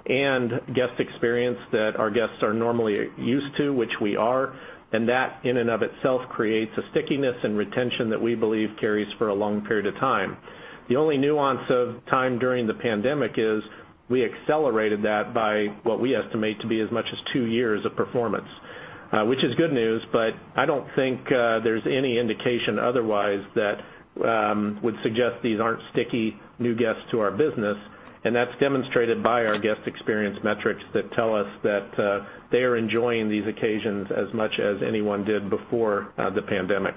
and guest experience that our guests are normally used to, which we are, and that in and of itself creates a stickiness and retention that we believe carries for a long period of time. The only nuance of time during the pandemic is we accelerated that by what we estimate to be as much as two years of performance. Which is good news, but I don't think there's any indication otherwise that would suggest these aren't sticky new guests to our business, and that's demonstrated by our guest experience metrics that tell us that they are enjoying these occasions as much as anyone did before the pandemic.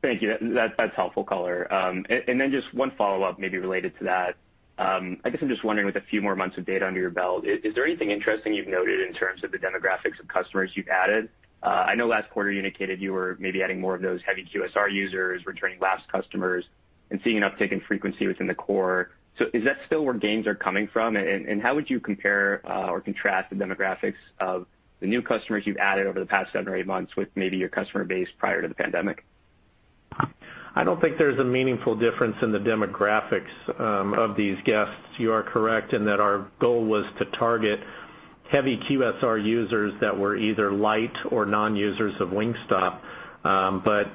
Thank you. That's helpful color. Then just one follow-up maybe related to that. I guess I'm just wondering, with a few more months of data under your belt, is there anything interesting you've noted in terms of the demographics of customers you've added? I know last quarter you indicated you were maybe adding more of those heavy QSR users, returning lapsed customers, and seeing an uptick in frequency within the core. Is that still where gains are coming from? How would you compare or contrast the demographics of the new customers you've added over the past seven or eight months with maybe your customer base prior to the pandemic? I don't think there's a meaningful difference in the demographics of these guests. You are correct in that our goal was to target heavy QSR users that were either light or non-users of Wingstop.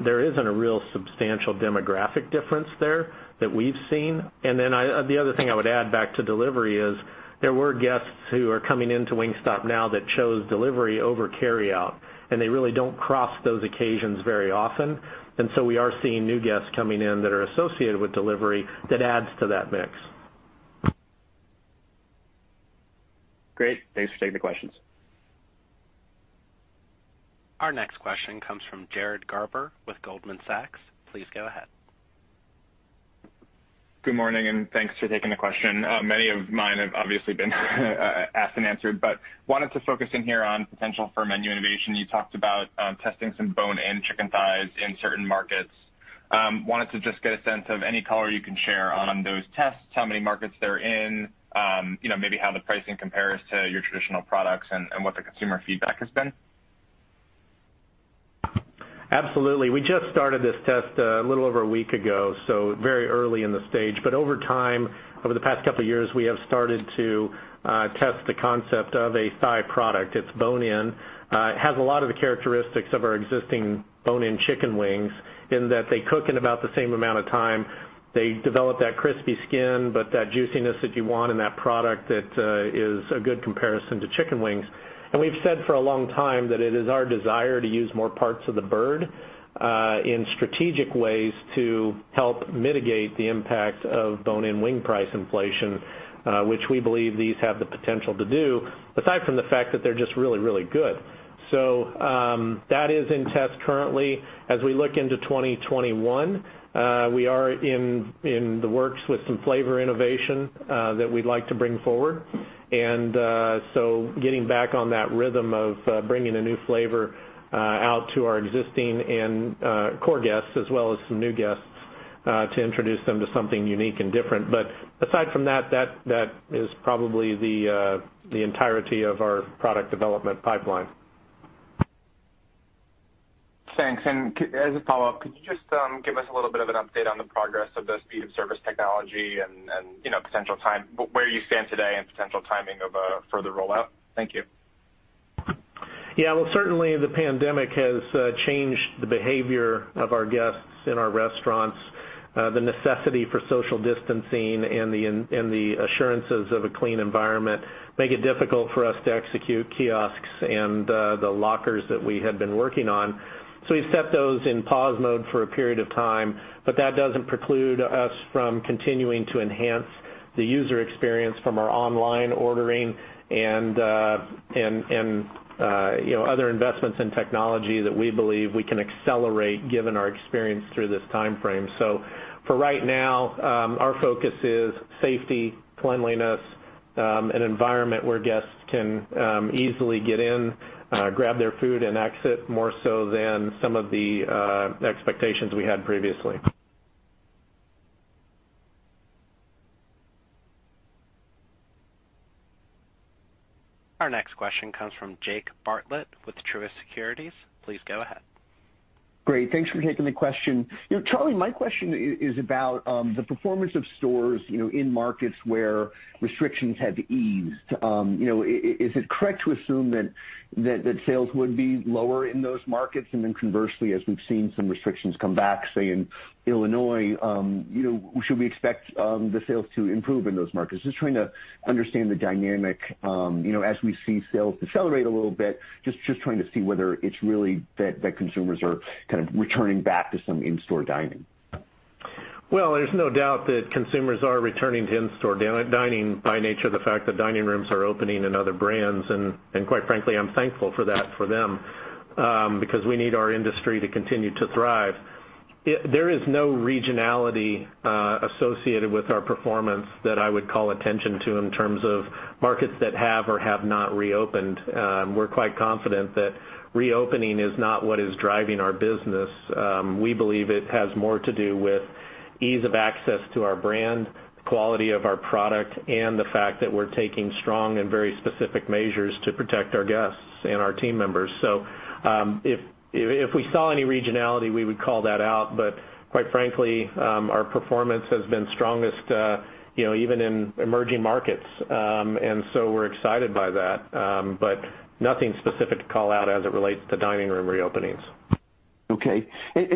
There isn't a real substantial demographic difference there that we've seen. The other thing I would add back to delivery is there were guests who are coming into Wingstop now that chose delivery over carryout, and they really don't cross those occasions very often. We are seeing new guests coming in that are associated with delivery that adds to that mix. Great. Thanks for taking the questions. Our next question comes from Jared Garber with Goldman Sachs. Please go ahead. Good morning. Thanks for taking the question. Many of mine have obviously been asked and answered. Wanted to focus in here on potential for menu innovation. You talked about testing some bone-in chicken thighs in certain markets. Wanted to just get a sense of any color you can share on those tests, how many markets they're in, maybe how the pricing compares to your traditional products, and what the consumer feedback has been. Absolutely. We just started this test a little over a week ago, very early in the stage. Over time, over the past couple of years, we have started to test the concept of a thigh product. It's bone-in. It has a lot of the characteristics of our existing bone-in chicken wings in that they cook in about the same amount of time. They develop that crispy skin, but that juiciness that you want in that product that is a good comparison to chicken wings. We've said for a long time that it is our desire to use more parts of the bird in strategic ways to help mitigate the impact of bone-in wing price inflation, which we believe these have the potential to do, aside from the fact that they're just really, really good. That is in test currently. As we look into 2021, we are in the works with some flavor innovation that we'd like to bring forward. Getting back on that rhythm of bringing a new flavor out to our existing and core guests as well as some new guests to introduce them to something unique and different. Aside from that is probably the entirety of our product development pipeline. Thanks. As a follow-up, could you just give us a little bit of an update on the progress of the speed of service technology and where you stand today and potential timing of a further rollout? Thank you. Yeah. Well, certainly the pandemic has changed the behavior of our guests in our restaurants. The necessity for social distancing and the assurances of a clean environment make it difficult for us to execute kiosks and the lockers that we had been working on. We've set those in pause mode for a period of time, but that doesn't preclude us from continuing to enhance the user experience from our online ordering and other investments in technology that we believe we can accelerate given our experience through this timeframe. For right now, our focus is safety, cleanliness, an environment where guests can easily get in, grab their food, and exit more so than some of the expectations we had previously. Our next question comes from Jake Bartlett with Truist Securities. Please go ahead. Great. Thanks for taking the question. Charlie, my question is about the performance of stores in markets where restrictions have eased. Is it correct to assume that sales would be lower in those markets? Conversely, as we've seen some restrictions come back, say in Illinois, should we expect the sales to improve in those markets? Just trying to understand the dynamic as we see sales decelerate a little bit, just trying to see whether it's really that consumers are kind of returning back to some in-store dining. Well, there's no doubt that consumers are returning to in-store dining by nature of the fact that dining rooms are opening in other brands, and quite frankly, I'm thankful for that for them because we need our industry to continue to thrive. There is no regionality associated with our performance that I would call attention to in terms of markets that have or have not reopened. We're quite confident that reopening is not what is driving our business. We believe it has more to do with ease of access to our brand, quality of our product, and the fact that we're taking strong and very specific measures to protect our guests and our team members. If we saw any regionality, we would call that out, but quite frankly, our performance has been strongest even in emerging markets. We're excited by that. Nothing specific to call out as it relates to dining room reopenings. Okay.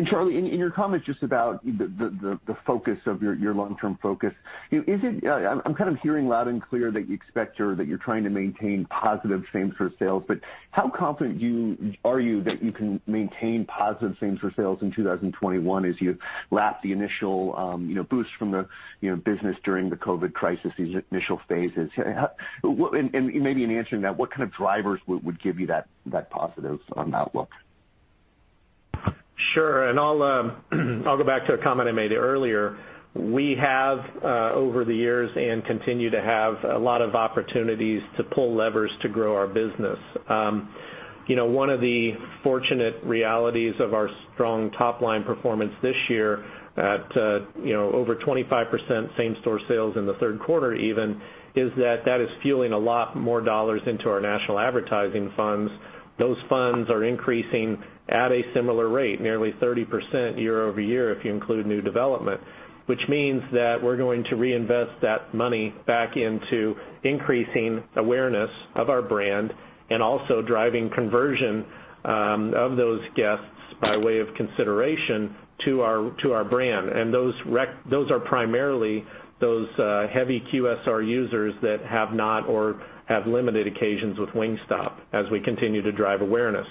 Charlie, in your comments just about the focus of your long-term focus, I'm kind of hearing loud and clear that you expect or that you're trying to maintain positive same-store sales. How confident are you that you can maintain positive same-store sales in 2021 as you lap the initial boost from the business during the COVID-19 crisis, these initial phases? Maybe in answering that, what kind of drivers would give you that positive outlook? Sure, I'll go back to a comment I made earlier. We have over the years and continue to have a lot of opportunities to pull levers to grow our business. One of the fortunate realities of our strong top-line performance this year at over 25% same-store sales in the Q3 even, is that that is fueling a lot more dollars into our national advertising funds. Those funds are increasing at a similar rate, nearly 30% year-over-year if you include new development, which means that we're going to reinvest that money back into increasing awareness of our brand and also driving conversion of those guests by way of consideration to our brand. Those are primarily those heavy QSR users that have not or have limited occasions with Wingstop as we continue to drive awareness.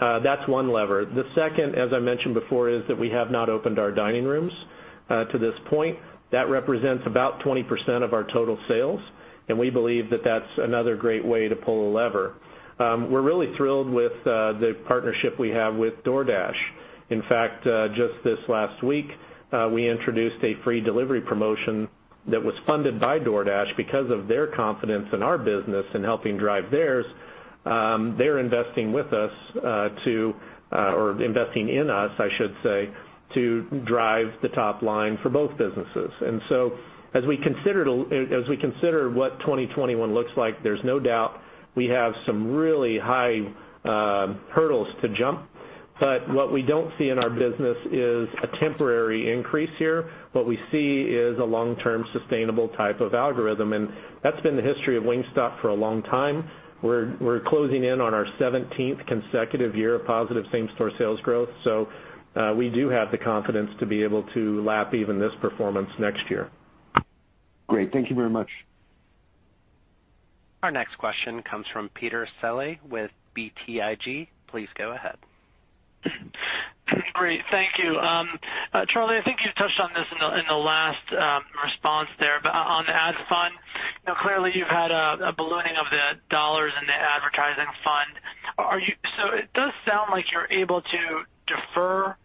That's one lever. The second, as I mentioned before, is that we have not opened our dining rooms to this point. That represents about 20% of our total sales, and we believe that that's another great way to pull a lever. We're really thrilled with the partnership we have with DoorDash. In fact, just this last week, we introduced a free delivery promotion that was funded by DoorDash because of their confidence in our business in helping drive theirs. They're investing with us to, or investing in us, I should say, to drive the top line for both businesses. As we consider what 2021 looks like, there's no doubt we have some really high hurdles to jump. What we don't see in our business is a temporary increase here. What we see is a long-term sustainable type of algorithm, and that's been the history of Wingstop for a long time. We're closing in on our 17th consecutive year of positive same-store sales growth. We do have the confidence to be able to lap even this performance next year. Great. Thank you very much. Our next question comes from Peter Saleh with BTIG. Please go ahead. Great. Thank you. Charlie, I think you touched on this in the last response there, but on the ad fund, clearly you've had a ballooning of the dollars in the advertising fund. It does sound like you're able to defer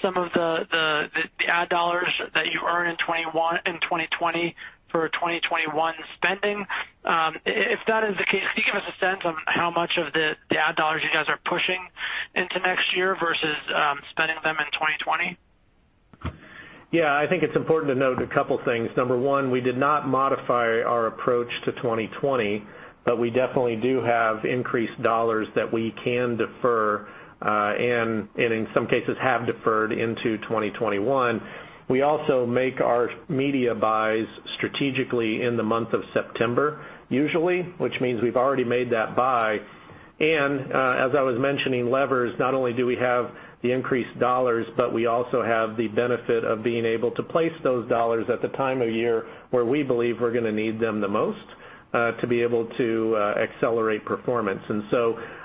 some of the ad dollars that you earn in 2020 for 2021 spending. If that is the case, can you give us a sense of how much of the ad dollars you guys are pushing into next year versus spending them in 2020? Yeah, I think it's important to note a couple things. Number one, we did not modify our approach to 2020, but we definitely do have increased dollars that we can defer, and in some cases have deferred into 2021. We also make our media buys strategically in the month of September usually, which means we've already made that buy. As I was mentioning levers, not only do we have the increased dollars, but we also have the benefit of being able to place those dollars at the time of year where we believe we're going to need them the most to be able to accelerate performance.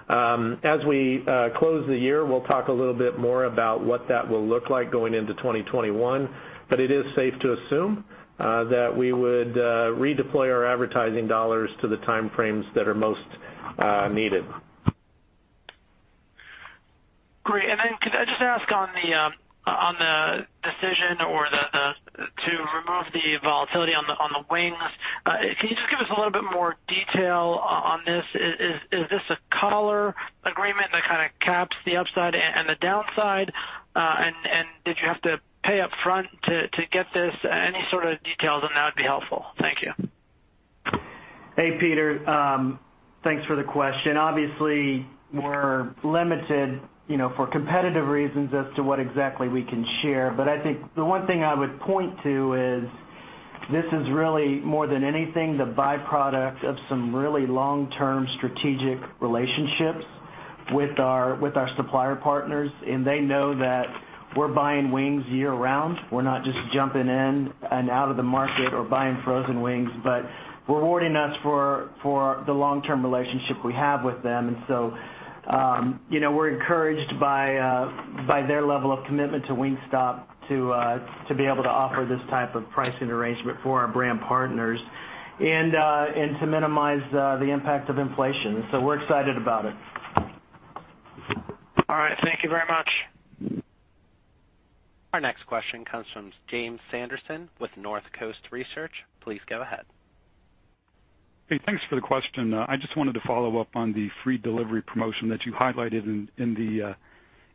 As we close the year, we'll talk a little bit more about what that will look like going into 2021. It is safe to assume that we would redeploy our advertising dollars to the time frames that are most needed. Great. Could I just ask on the decision to remove the volatility on the wings, can you just give us a little bit more detail on this? Is this a collar agreement that kind of caps the upside and the downside? Did you have to pay up front to get this? Any sort of details on that would be helpful. Thank you. Hey, Peter. Thanks for the question. We're limited for competitive reasons as to what exactly we can share. I think the one thing I would point to is this is really more than anything, the byproduct of some really long-term strategic relationships with our supplier partners, and they know that we're buying wings year-round. We're not just jumping in and out of the market or buying frozen wings, but rewarding us for the long-term relationship we have with them. We're encouraged by their level of commitment to Wingstop to be able to offer this type of pricing arrangement for our brand partners and to minimize the impact of inflation. We're excited about it. All right. Thank you very much. Our next question comes from Jim Salera with Northcoast Research. Please go ahead. Hey, thanks for the question. I just wanted to follow up on the free delivery promotion that you highlighted in the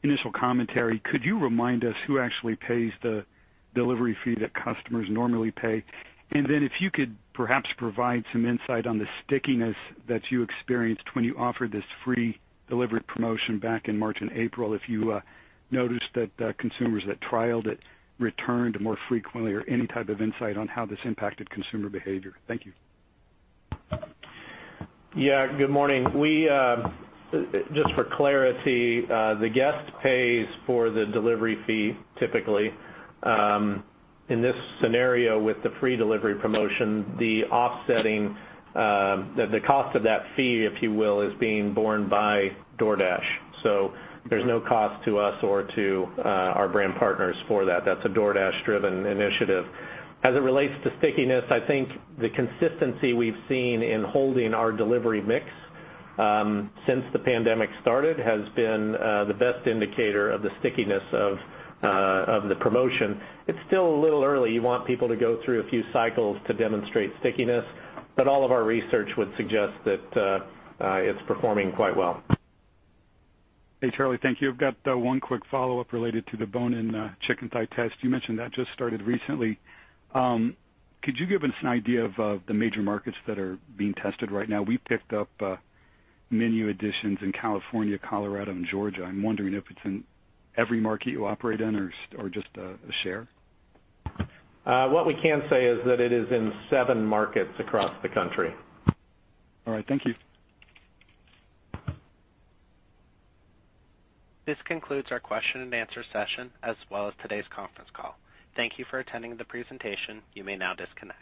initial commentary. Could you remind us who actually pays the delivery fee that customers normally pay? If you could perhaps provide some insight on the stickiness that you experienced when you offered this free delivery promotion back in March and April, if you noticed that consumers that trialed it returned more frequently or any type of insight on how this impacted consumer behavior? Thank you. Yeah. Good morning. Just for clarity, the guest pays for the delivery fee, typically. In this scenario with the free delivery promotion, the offsetting, the cost of that fee, if you will, is being borne by DoorDash. There's no cost to us or to our brand partners for that. That's a DoorDash-driven initiative. As it relates to stickiness, I think the consistency we've seen in holding our delivery mix since the pandemic started has been the best indicator of the stickiness of the promotion. It's still a little early. You want people to go through a few cycles to demonstrate stickiness, but all of our research would suggest that it's performing quite well. Hey, Charlie, thank you. I've got one quick follow-up related to the bone-in chicken thigh test. You mentioned that just started recently. Could you give us an idea of the major markets that are being tested right now? We picked up menu additions in California, Colorado, and Georgia. I'm wondering if it's in every market you operate in or just a share. What we can say is that it is in seven markets across the country. All right. Thank you. This concludes our question and answer session, as well as today's conference call. Thank you for attending the presentation. You may now disconnect.